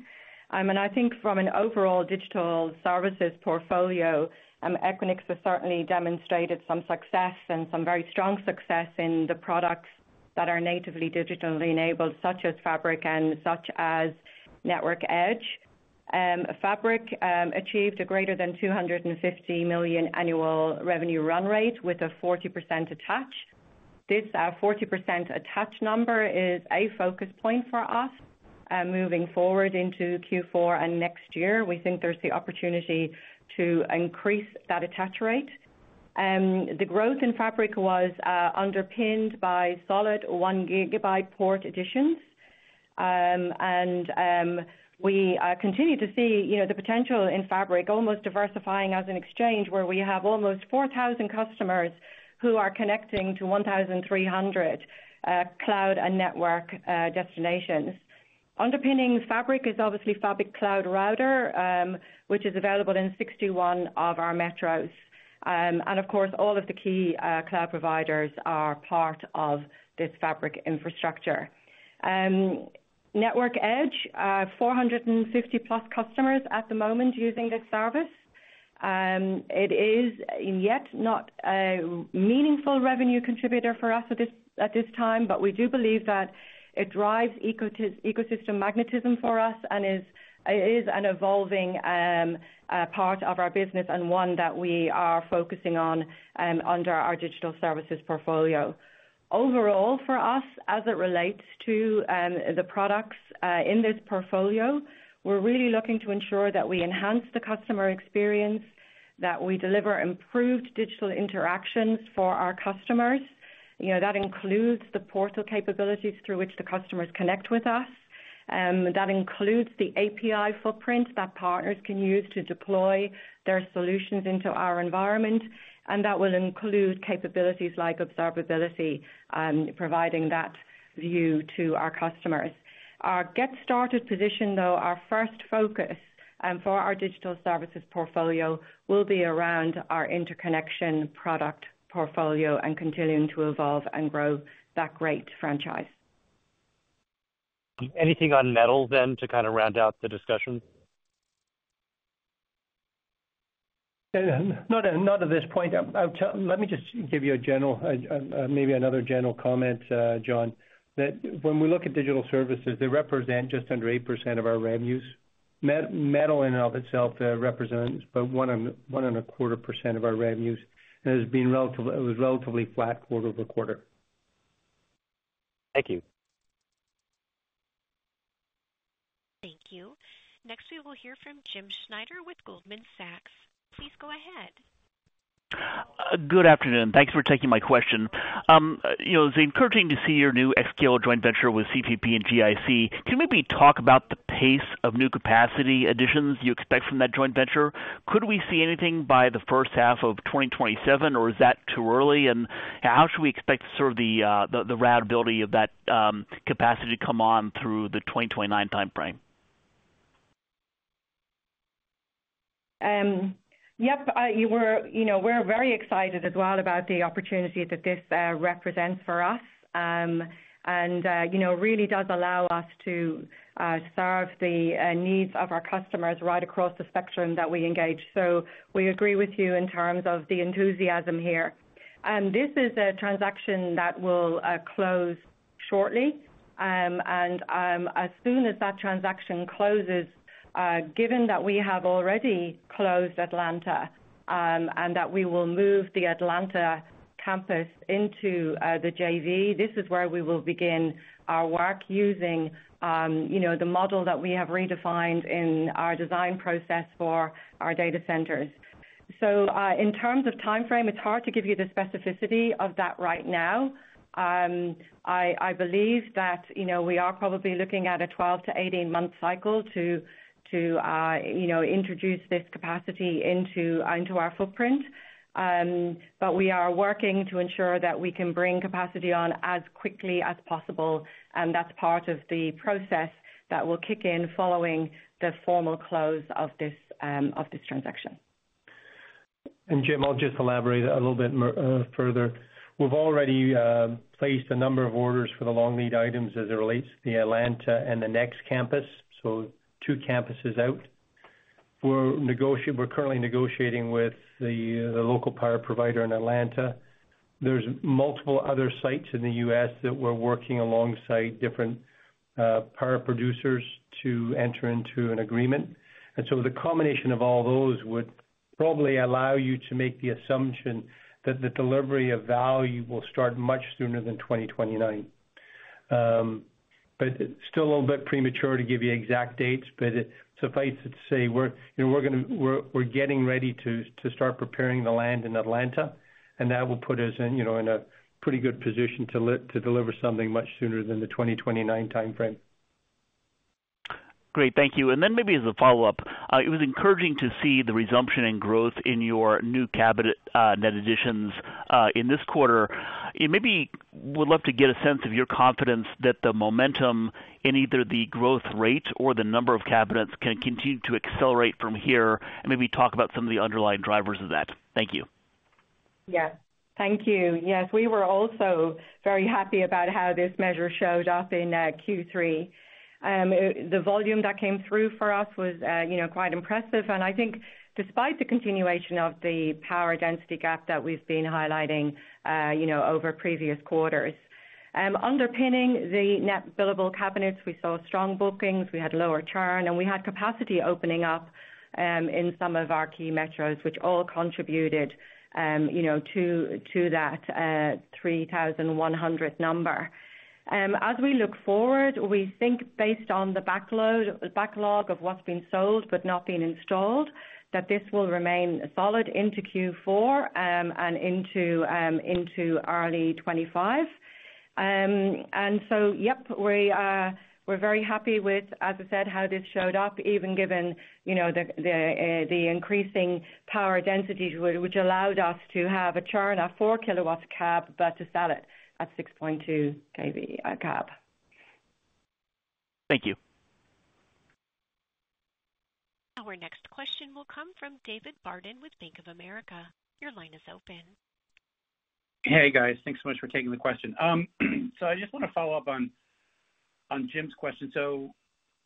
Speaker 3: And I think from an overall digital services portfolio, Equinix has certainly demonstrated some success and some very strong success in the products that are natively digitally enabled, such as Fabric and such as network edge. Fabric achieved a greater than $250 million annual revenue run rate with a 40% attach. This 40% attach number is a focus point for us moving forward into Q4 and next year. We think there's the opportunity to increase that attach rate. The growth in Equinix Fabric was underpinned by solid one gigabit port additions. And we continue to see the potential in Equinix Fabric, almost diversifying as an exchange where we have almost 4,000 customers who are connecting to 1,300 cloud and network destinations. Underpinning Equinix Fabric is obviously Fabric Cloud Router, which is available in 61 of our metros. And of course, all of the key cloud providers are part of this Equinix Fabric infrastructure. Network Edge, 450-plus customers at the moment using this service. It is yet not a meaningful revenue contributor for us at this time, but we do believe that it drives ecosystem magnetism for us and is an evolving part of our business and one that we are focusing on under our digital services portfolio. Overall, for us, as it relates to the products in this portfolio, we're really looking to ensure that we enhance the customer experience, that we deliver improved digital interactions for our customers. That includes the portal capabilities through which the customers connect with us. That includes the API footprint that partners can use to deploy their solutions into our environment. And that will include capabilities like observability, providing that view to our customers. Our get started position, though, our first focus for our digital services portfolio will be around our interconnection product portfolio and continuing to evolve and grow that great franchise.
Speaker 7: Anything on Metal then to kind of round out the discussion?
Speaker 4: Not at this point. Let me just give you a general, maybe another general comment, Jon, that when we look at digital services, they represent just under 8% of our revenues. Metal in and of itself represents about 1.25% of our revenues, and it was relatively flat quarter over quarter.
Speaker 7: Thank you.
Speaker 1: Thank you. Next, we will hear from Jim Schneider with Goldman Sachs. Please go ahead.
Speaker 8: Good afternoon. Thanks for taking my question. It's encouraging to see your new xScale joint venture with CPP and GIC. Can you maybe talk about the pace of new capacity additions you expect from that joint venture? Could we see anything by the first half of 2027, or is that too early? And how should we expect sort of the reliability of that capacity to come on through the 2029 timeframe?
Speaker 3: Yep. We're very excited as well about the opportunity that this represents for us. And it really does allow us to serve the needs of our customers right across the spectrum that we engage. So we agree with you in terms of the enthusiasm here. This is a transaction that will close shortly. And as soon as that transaction closes, given that we have already closed Atlanta and that we will move the Atlanta campus into the JV, this is where we will begin our work using the model that we have redefined in our design process for our data centers. So in terms of timeframe, it's hard to give you the specificity of that right now. I believe that we are probably looking at a 12-18 month cycle to introduce this capacity into our footprint, but we are working to ensure that we can bring capacity on as quickly as possible, and that's part of the process that will kick in following the formal close of this transaction,
Speaker 4: And Jim, I'll just elaborate a little bit further. We've already placed a number of orders for the long-lead items as it relates to the Atlanta and the next campus, so two campuses out. We're currently negotiating with the local power provider in Atlanta. There's multiple other sites in the U.S. that we're working alongside different power producers to enter into an agreement, and so the combination of all those would probably allow you to make the assumption that the delivery of value will start much sooner than 2029. But still a little bit premature to give you exact dates, but suffice it to say we're getting ready to start preparing the land in Atlanta. And that will put us in a pretty good position to deliver something much sooner than the 2029 timeframe. Great. Thank you. And then maybe as a follow-up, it was encouraging to see the resumption in growth in your new cabinet additions in this quarter. Maybe we'd love to get a sense of your confidence that the momentum in either the growth rate or the number of cabinets can continue to accelerate from here and maybe talk about some of the underlying drivers of that.
Speaker 8: Thank you.
Speaker 3: Yes. Thank you. Yes. We were also very happy about how this measure showed up in Q3. The volume that came through for us was quite impressive. I think despite the continuation of the power density gap that we've been highlighting over previous quarters, underpinning the net billable cabinets, we saw strong bookings. We had lower churn, and we had capacity opening up in some of our key metros, which all contributed to that 3,100 number. As we look forward, we think based on the backlog of what's been sold but not been installed, that this will remain solid into Q4 and into early 2025. And so, yep, we're very happy with, as I said, how this showed up, even given the increasing power densities, which allowed us to have a churn of 4 kW cap, but to sell it at 6.2 kW cap.
Speaker 8: Thank you.
Speaker 1: Our next question will come from David Barden with Bank of America. Your line is open.
Speaker 9: Hey, guys. Thanks so much for taking the question. So I just want to follow up on Jim's question. So,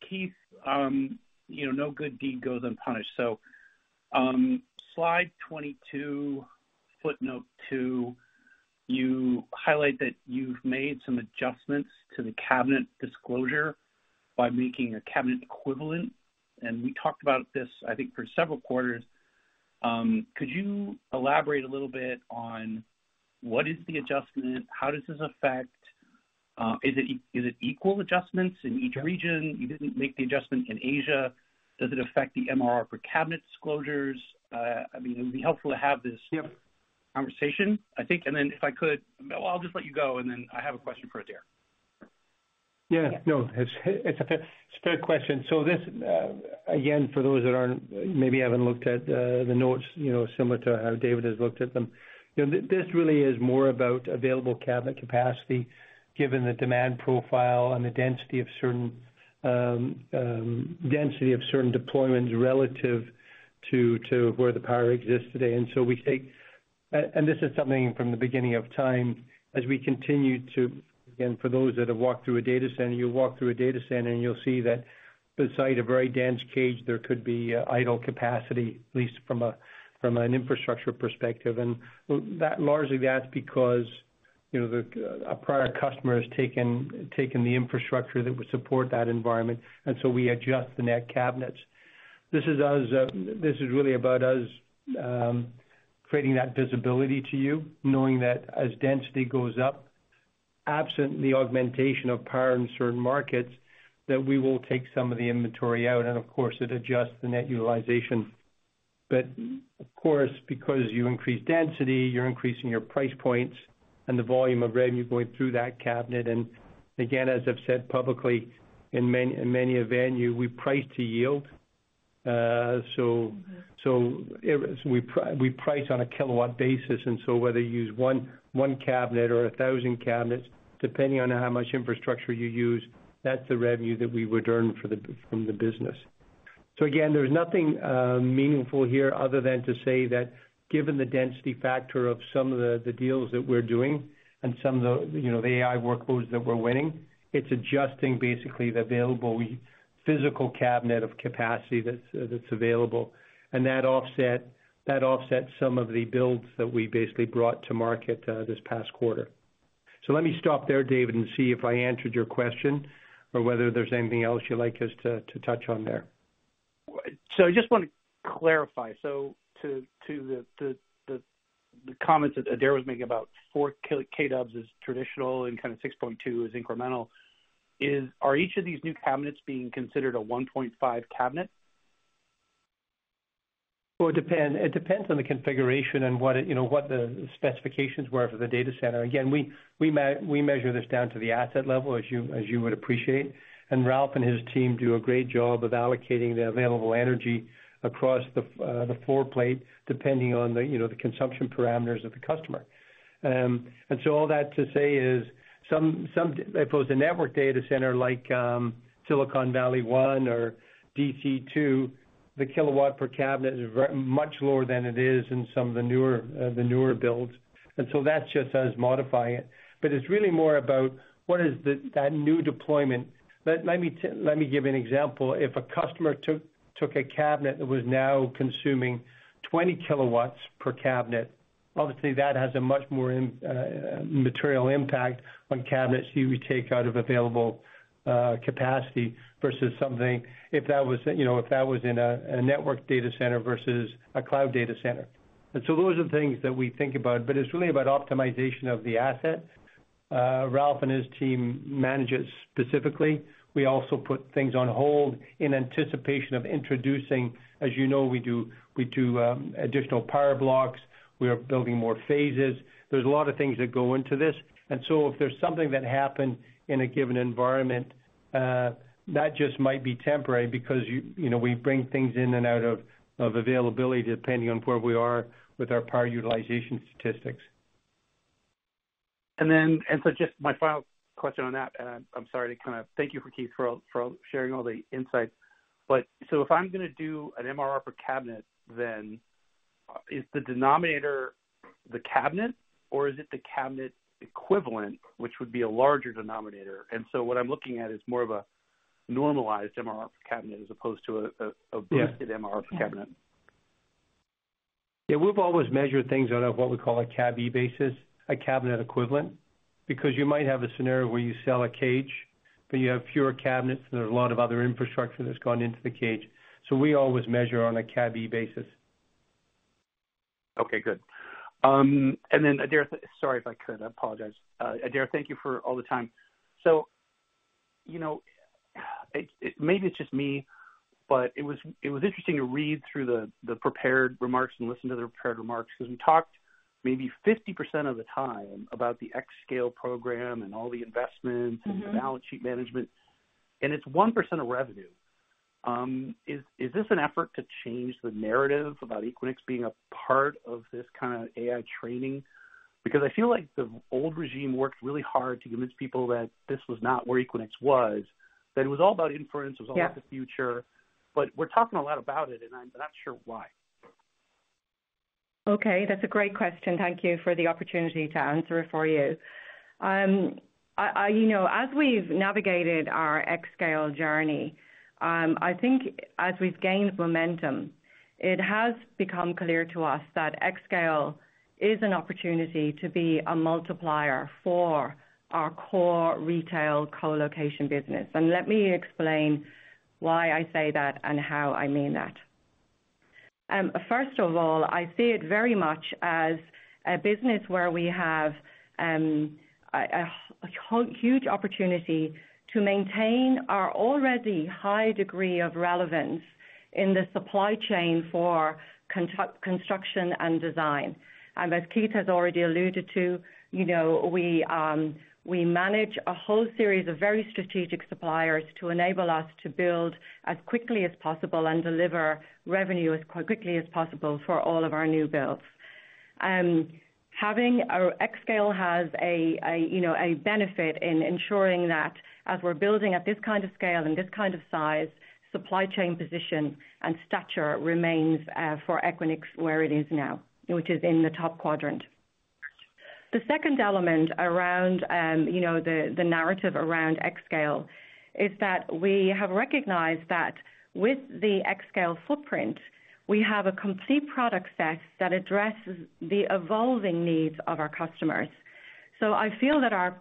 Speaker 9: Keith, no good deed goes unpunished. So slide 22, footnote 2, you highlight that you've made some adjustments to the cabinet disclosure by making a cabinet equivalent. And we talked about this, I think, for several quarters. Could you elaborate a little bit on what is the adjustment? How does this affect? Is it equal adjustments in each region? You didn't make the adjustment in Asia. Does it affect the MRR for cabinet disclosures? I mean, it would be helpful to have this conversation, I think. And then if I could, well, I'll just let you go, and then I have a question for Adaire
Speaker 4: Yeah. No, it's a fair question. So this, again, for those that maybe haven't looked at the notes, similar to how David has looked at them, this really is more about available cabinet capacity given the demand profile and the density of certain deployments relative to where the power exists today. And so we take, and this is something from the beginning of time, as we continue to, again, for those that have walked through a data center, you walk through a data center, and you'll see that beside a very dense cage, there could be idle capacity, at least from an infrastructure perspective. And largely, that's because a prior customer has taken the infrastructure that would support that environment. And so we adjust the net cabinets. This is really about us creating that visibility to you, knowing that as density goes up, absent the augmentation of power in certain markets, that we will take some of the inventory out, and of course, it adjusts the net utilization, but of course, because you increase density, you're increasing your price points and the volume of revenue going through that cabinet, and again, as I've said publicly in many venues, we price to yield, so we price on a kilowatt basis, and so whether you use one cabinet or 1,000 cabinets, depending on how much infrastructure you use, that's the revenue that we would earn from the business. So again, there's nothing meaningful here other than to say that given the density factor of some of the deals that we're doing and some of the AI workloads that we're winning, it's adjusting basically the available physical cabinet of capacity that's available. And that offsets some of the builds that we basically brought to market this past quarter. So let me stop there, David, and see if I answered your question or whether there's anything else you'd like us to touch on there. So I just want to clarify. To the comments that Adaire was making about 4 kWs as traditional and kind of 6.2 as incremental, are each of these new cabinets being considered a 1.5 cabinet? Well, it depends. It depends on the configuration and what the specifications were for the data center. Again, we measure this down to the asset level, as you would appreciate. Raouf and his team do a great job of allocating the available energy across the floorplate depending on the consumption parameters of the customer. All that to say is, I suppose, a network data center like Silicon Valley 1 or DC2, the kilowatt per cabinet is much lower than it is in some of the newer builds. That's just us modifying it. It's really more about what is that new deployment. Let me give you an example. If a customer took a cabinet that was now consuming 20 kilowatts per cabinet, obviously, that has a much more material impact on cabinets you would take out of available capacity versus something if that was in a network data center versus a cloud data center. Those are things that we think about. It's really about optimization of the asset. Raouf and his team manage it specifically. We also put things on hold in anticipation of introducing, as you know, we do additional power blocks. We are building more phases. There's a lot of things that go into this. And so if there's something that happened in a given environment, that just might be temporary because we bring things in and out of availability depending on where we are with our power utilization statistics.
Speaker 9: And so just my final question on that, and I'm sorry to kind of thank you, Keith, for sharing all the insights. But so if I'm going to do an MRR per cabinet, then is the denominator the cabinet, or is it the cabinet equivalent, which would be a larger denominator? And so what I'm looking at is more of a normalized MRR per cabinet as opposed to a vested MRR per cabinet. Yeah. We've always measured things on a what we call a Cab E basis, a cabinet equivalent, because you might have a scenario where you sell a cage, but you have fewer cabinets, and there's a lot of other infrastructure that's gone into the cage. So we always measure on a Cab E basis. Okay. Good. And then, Adaire, sorry if I could. I apologize. Adaire, thank you for all the time. So maybe it's just me, but it was interesting to read through the prepared remarks and listen to the prepared remarks because we talked maybe 50% of the time about the xScale program and all the investments and the balance sheet management. And it's 1% of revenue. Is this an effort to change the narrative about Equinix being a part of this kind of AI training? Because I feel like the old regime worked really hard to convince people that this was not where Equinix was, that it was all about inference. It was all about the future. But we're talking a lot about it, and I'm not sure why. Okay. That's a great question. Thank you for the opportunity to answer it for you. As we've navigated our xScale journey, I think as we've gained momentum, it has become clear to us that xScale is an opportunity to be a multiplier for our core retail colocation business. And let me explain why I say that and how I mean that. First of all, I see it very much as a business where we have a huge opportunity to maintain our already high degree of relevance in the supply chain for construction and design.
Speaker 3: As Keith has already alluded to, we manage a whole series of very strategic suppliers to enable us to build as quickly as possible and deliver revenue as quickly as possible for all of our new builds. Having xScale has a benefit in ensuring that as we're building at this kind of scale and this kind of size, supply chain position and stature remains for Equinix where it is now, which is in the top quadrant. The second element around the narrative around xScale is that we have recognized that with the xScale footprint, we have a complete product set that addresses the evolving needs of our customers. So I feel that our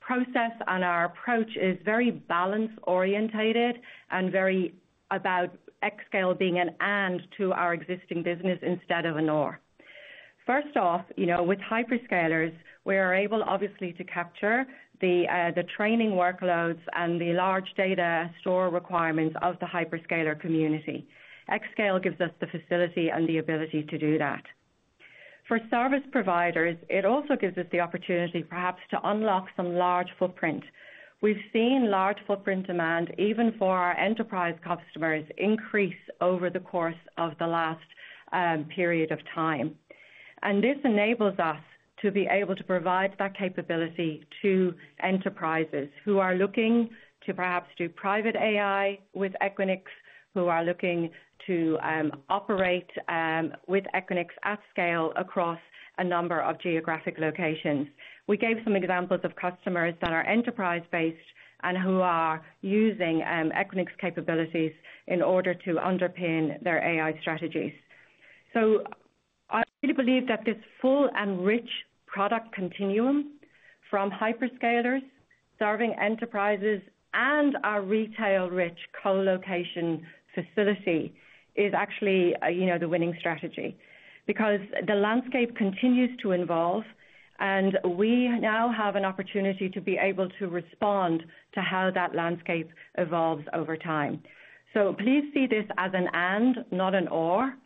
Speaker 3: process and our approach is very balance-oriented and very about xScale being an and to our existing business instead of an or. First off, with hyperscalers, we are able, obviously, to capture the training workloads and the large data store requirements of the hyperscaler community. xScale gives us the facility and the ability to do that. For service providers, it also gives us the opportunity, perhaps, to unlock some large footprint. We've seen large footprint demand, even for our enterprise customers, increase over the course of the last period of time. And this enables us to be able to provide that capability to enterprises who are looking to perhaps do private AI with Equinix, who are looking to operate with Equinix at scale across a number of geographic locations. We gave some examples of customers that are enterprise-based and who are using Equinix capabilities in order to underpin their AI strategies. So I really believe that this full and rich product continuum from hyperscalers serving enterprises and our retail-rich colocation facility is actually the winning strategy because the landscape continues to evolve, and we now have an opportunity to be able to respond to how that landscape evolves over time. So please see this as an and, not an or.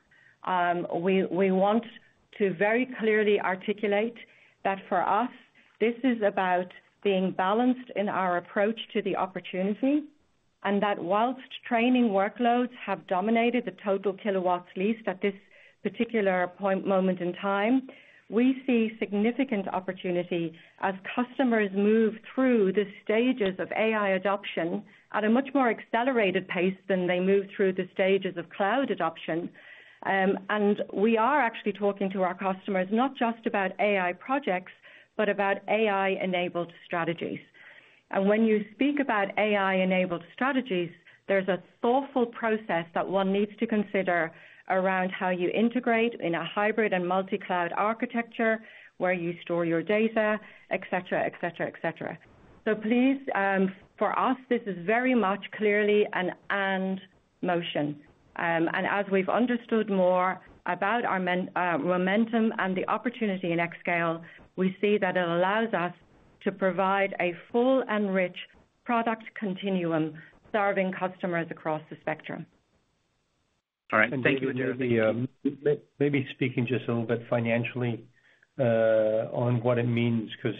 Speaker 3: We want to very clearly articulate that for us, this is about being balanced in our approach to the opportunity and that while training workloads have dominated the total kilowatts leased at this particular moment in time, we see significant opportunity as customers move through the stages of AI adoption at a much more accelerated pace than they move through the stages of cloud adoption. And we are actually talking to our customers not just about AI projects, but about AI-enabled strategies. And when you speak about AI-enabled strategies, there's a thoughtful process that one needs to consider around how you integrate in a hybrid and multi-cloud architecture where you store your data, etc., etc., etc. So please, for us, this is very much clearly an and motion. And as we've understood more about our momentum and the opportunity in xScale, we see that it allows us to provide a full and rich product continuum serving customers across the spectrum.
Speaker 4: All right. Thank you, Adaire. Maybe speaking just a little bit financially on what it means because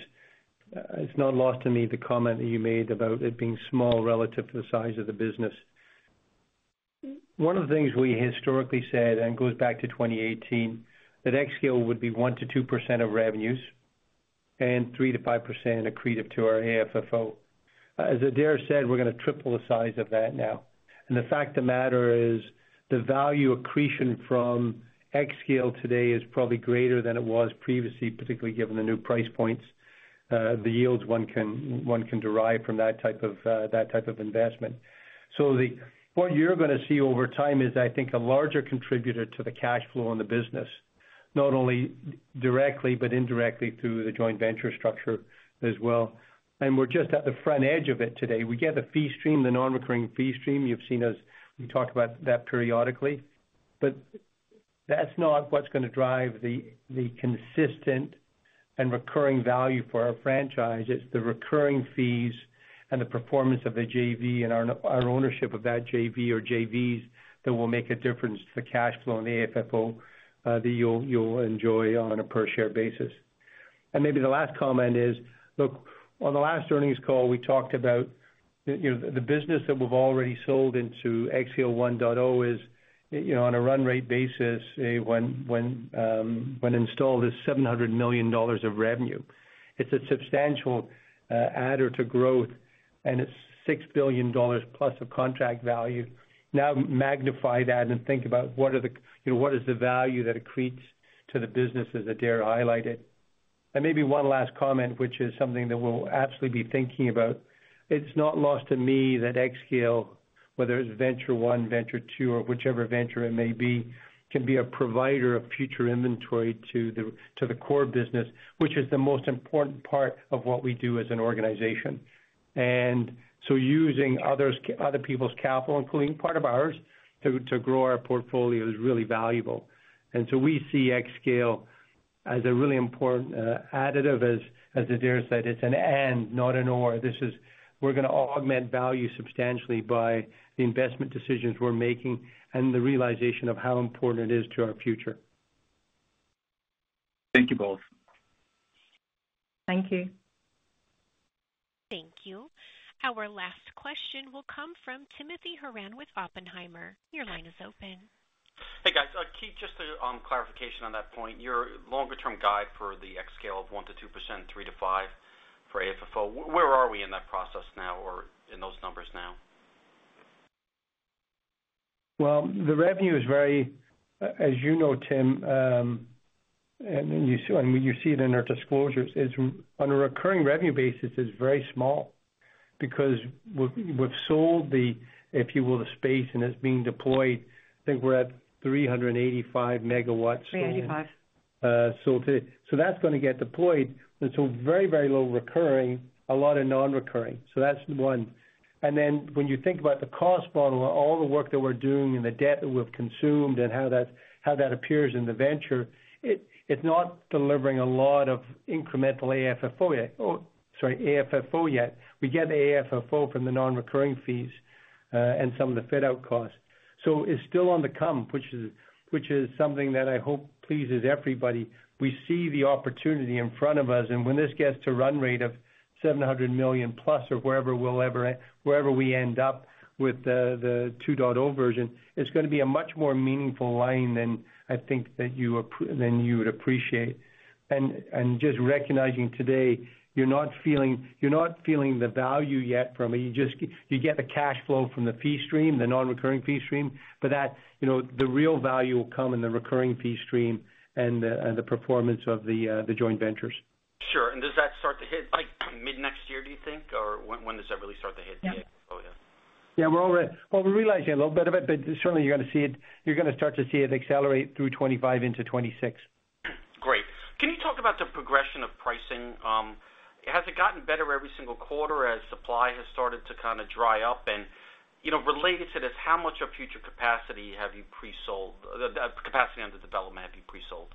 Speaker 4: it's not lost to me the comment that you made about it being small relative to the size of the business. One of the things we historically said, and it goes back to 2018, that xScale would be 1%-2% of revenues and 3%-5% accretive to our AFFO. As Adaire said, we're going to triple the size of that now, and the fact of the matter is the value accretion from xScale today is probably greater than it was previously, particularly given the new price points, the yields one can derive from that type of investment, so what you're going to see over time is, I think, a larger contributor to the cash flow in the business, not only directly but indirectly through the joint venture structure as well, and we're just at the front edge of it today. We get the fee stream, the non-recurring fee stream. You've seen us talk about that periodically, but that's not what's going to drive the consistent and recurring value for our franchise. It's the recurring fees and the performance of the JV and our ownership of that JV or JVs that will make a difference to the cash flow and the AFFO that you'll enjoy on a per-share basis. And maybe the last comment is, look, on the last earnings call, we talked about the business that we've already sold into xScale 1.0 is, on a run rate basis, when installed, is $700 million of revenue. It's a substantial add-on to growth, and it's $6 billion plus of contract value. Now, magnify that and think about what is the value that accretes to the businesses that Adaire highlighted. And maybe one last comment, which is something that we'll absolutely be thinking about. It's not lost to me that xScale, whether it's Venture One, Venture Two, or whichever venture it may be, can be a provider of future inventory to the core business, which is the most important part of what we do as an organization. And so using other people's capital, including part of ours, to grow our portfolio is really valuable. And so we see xScale as a really important additive, as Adaire said. It's an and, not an or. We're going to augment value substantially by the investment decisions we're making and the realization of how important it is to our future.
Speaker 9: Thank you both.
Speaker 3: Thank you.
Speaker 1: Thank you. Our last question will come from Timothy Horan with Oppenheimer. Your line is open.
Speaker 10: Hey, guys. Keith, just a clarification on that point. Your longer-term guide for the xScale of 1-2%, 3-5% for AFFO, where are we in that process now or in those numbers now?
Speaker 4: The revenue is very, as you know, Tim, and you see it in our disclosures, on a recurring revenue basis, is very small because we've sold, if you will, the space, and it's being deployed. I think we're at 385 megawatts. 385. So that's going to get deployed. And so very, very low recurring, a lot of non-recurring. So that's one. And then when you think about the cost model and all the work that we're doing and the debt that we've consumed and how that appears in the venture, it's not delivering a lot of incremental AFFO yet. Sorry, AFFO yet. We get AFFO from the non-recurring fees and some of the fit-out costs. So it's still on the come, which is something that I hope pleases everybody. We see the opportunity in front of us. And when this gets to run rate of 700 million plus or wherever we end up with the 2.0 version, it's going to be a much more meaningful line than I think that you would appreciate. And just recognizing today, you're not feeling the value yet from it. You get the cash flow from the fee stream, the non-recurring fee stream, but the real value will come in the recurring fee stream and the performance of the joint ventures. Sure. And does that start to hit mid-next year, do you think, or when does that really start to hit the AFFO? Yeah. Yeah. Well, we're realizing a little bit of it, but certainly, you're going to see it. You're going to start to see it accelerate through 2025 into 2026.
Speaker 10: Great. Can you talk about the progression of pricing? Has it gotten better every single quarter as supply has started to kind of dry up? And related to this, how much of future capacity have you pre-sold? Capacity under development, have you pre-sold?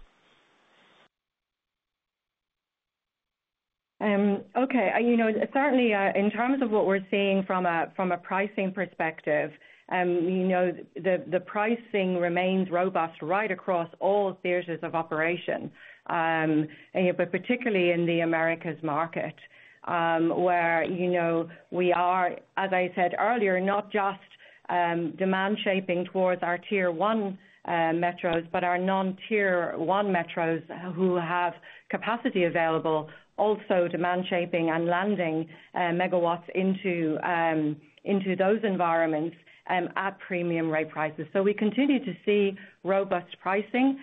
Speaker 3: Okay. Certainly, in terms of what we're seeing from a pricing perspective, the pricing remains robust right across all theaters of operation, but particularly in the Americas market where we are, as I said earlier, not just demand shaping towards our tier one metros, but our non-tier one metros who have capacity available, also demand shaping and landing megawatts into those environments at premium rate prices. So we continue to see robust pricing.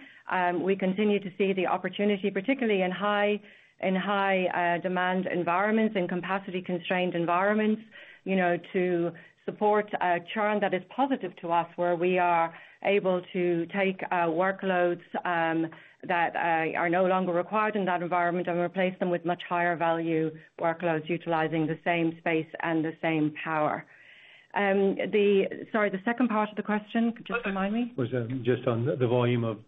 Speaker 3: We continue to see the opportunity, particularly in high demand environments, in capacity-constrained environments, to support a churn that is positive to us where we are able to take workloads that are no longer required in that environment and replace them with much higher value workloads utilizing the same space and the same power. Sorry, the second part of the question, just remind me. Just on the volume of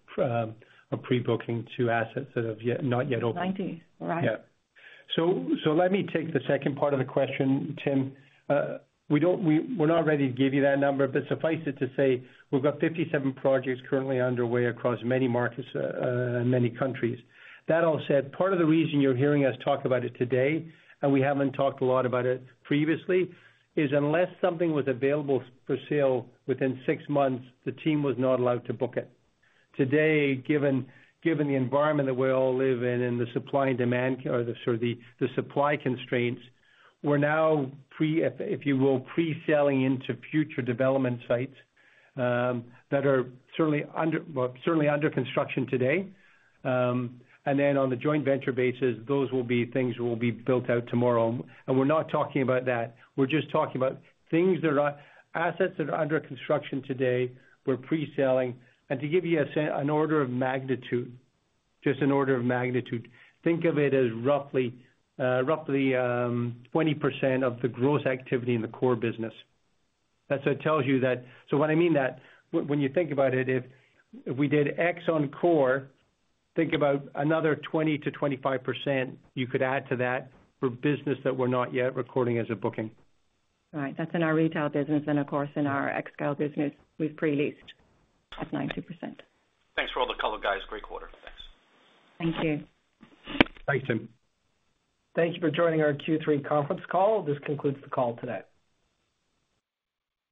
Speaker 3: pre-booking to assets that have not yet opened. '90s, right?
Speaker 4: Yeah. Let me take the second part of the question, Tim. We're not ready to give you that number, but suffice it to say we've got 57 projects currently underway across many markets and many countries. That all said, part of the reason you're hearing us talk about it today, and we haven't talked a lot about it previously, is unless something was available for sale within six months, the team was not allowed to book it. Today, given the environment that we all live in and the supply and demand, or the supply constraints, we're now, if you will, pre-selling into future development sites that are certainly under construction today. And then on the joint venture basis, those will be things that will be built out tomorrow. And we're not talking about that. We're just talking about assets that are under construction today. We're pre-selling. And to give you an order of magnitude, just an order of magnitude, think of it as roughly 20% of the gross activity in the core business. That tells you that. So what I mean that, when you think about it, if we did xScale on core, think about another 20%-25% you could add to that for business that we're not yet recording as a booking. Right. That's in our retail business. And of course, in our xScale business, we've pre-leased of 92%.
Speaker 10: Thanks for all the color, guys. Great quarter. Thanks.
Speaker 3: Thank you.
Speaker 2: Thanks, Tim. Thank you for joining our Q3 conference call. This concludes the call today.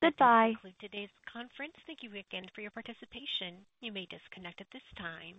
Speaker 2: Goodbye. Conclude today's conference.
Speaker 1: Thank you, everyone, for your participation. You may disconnect at this time.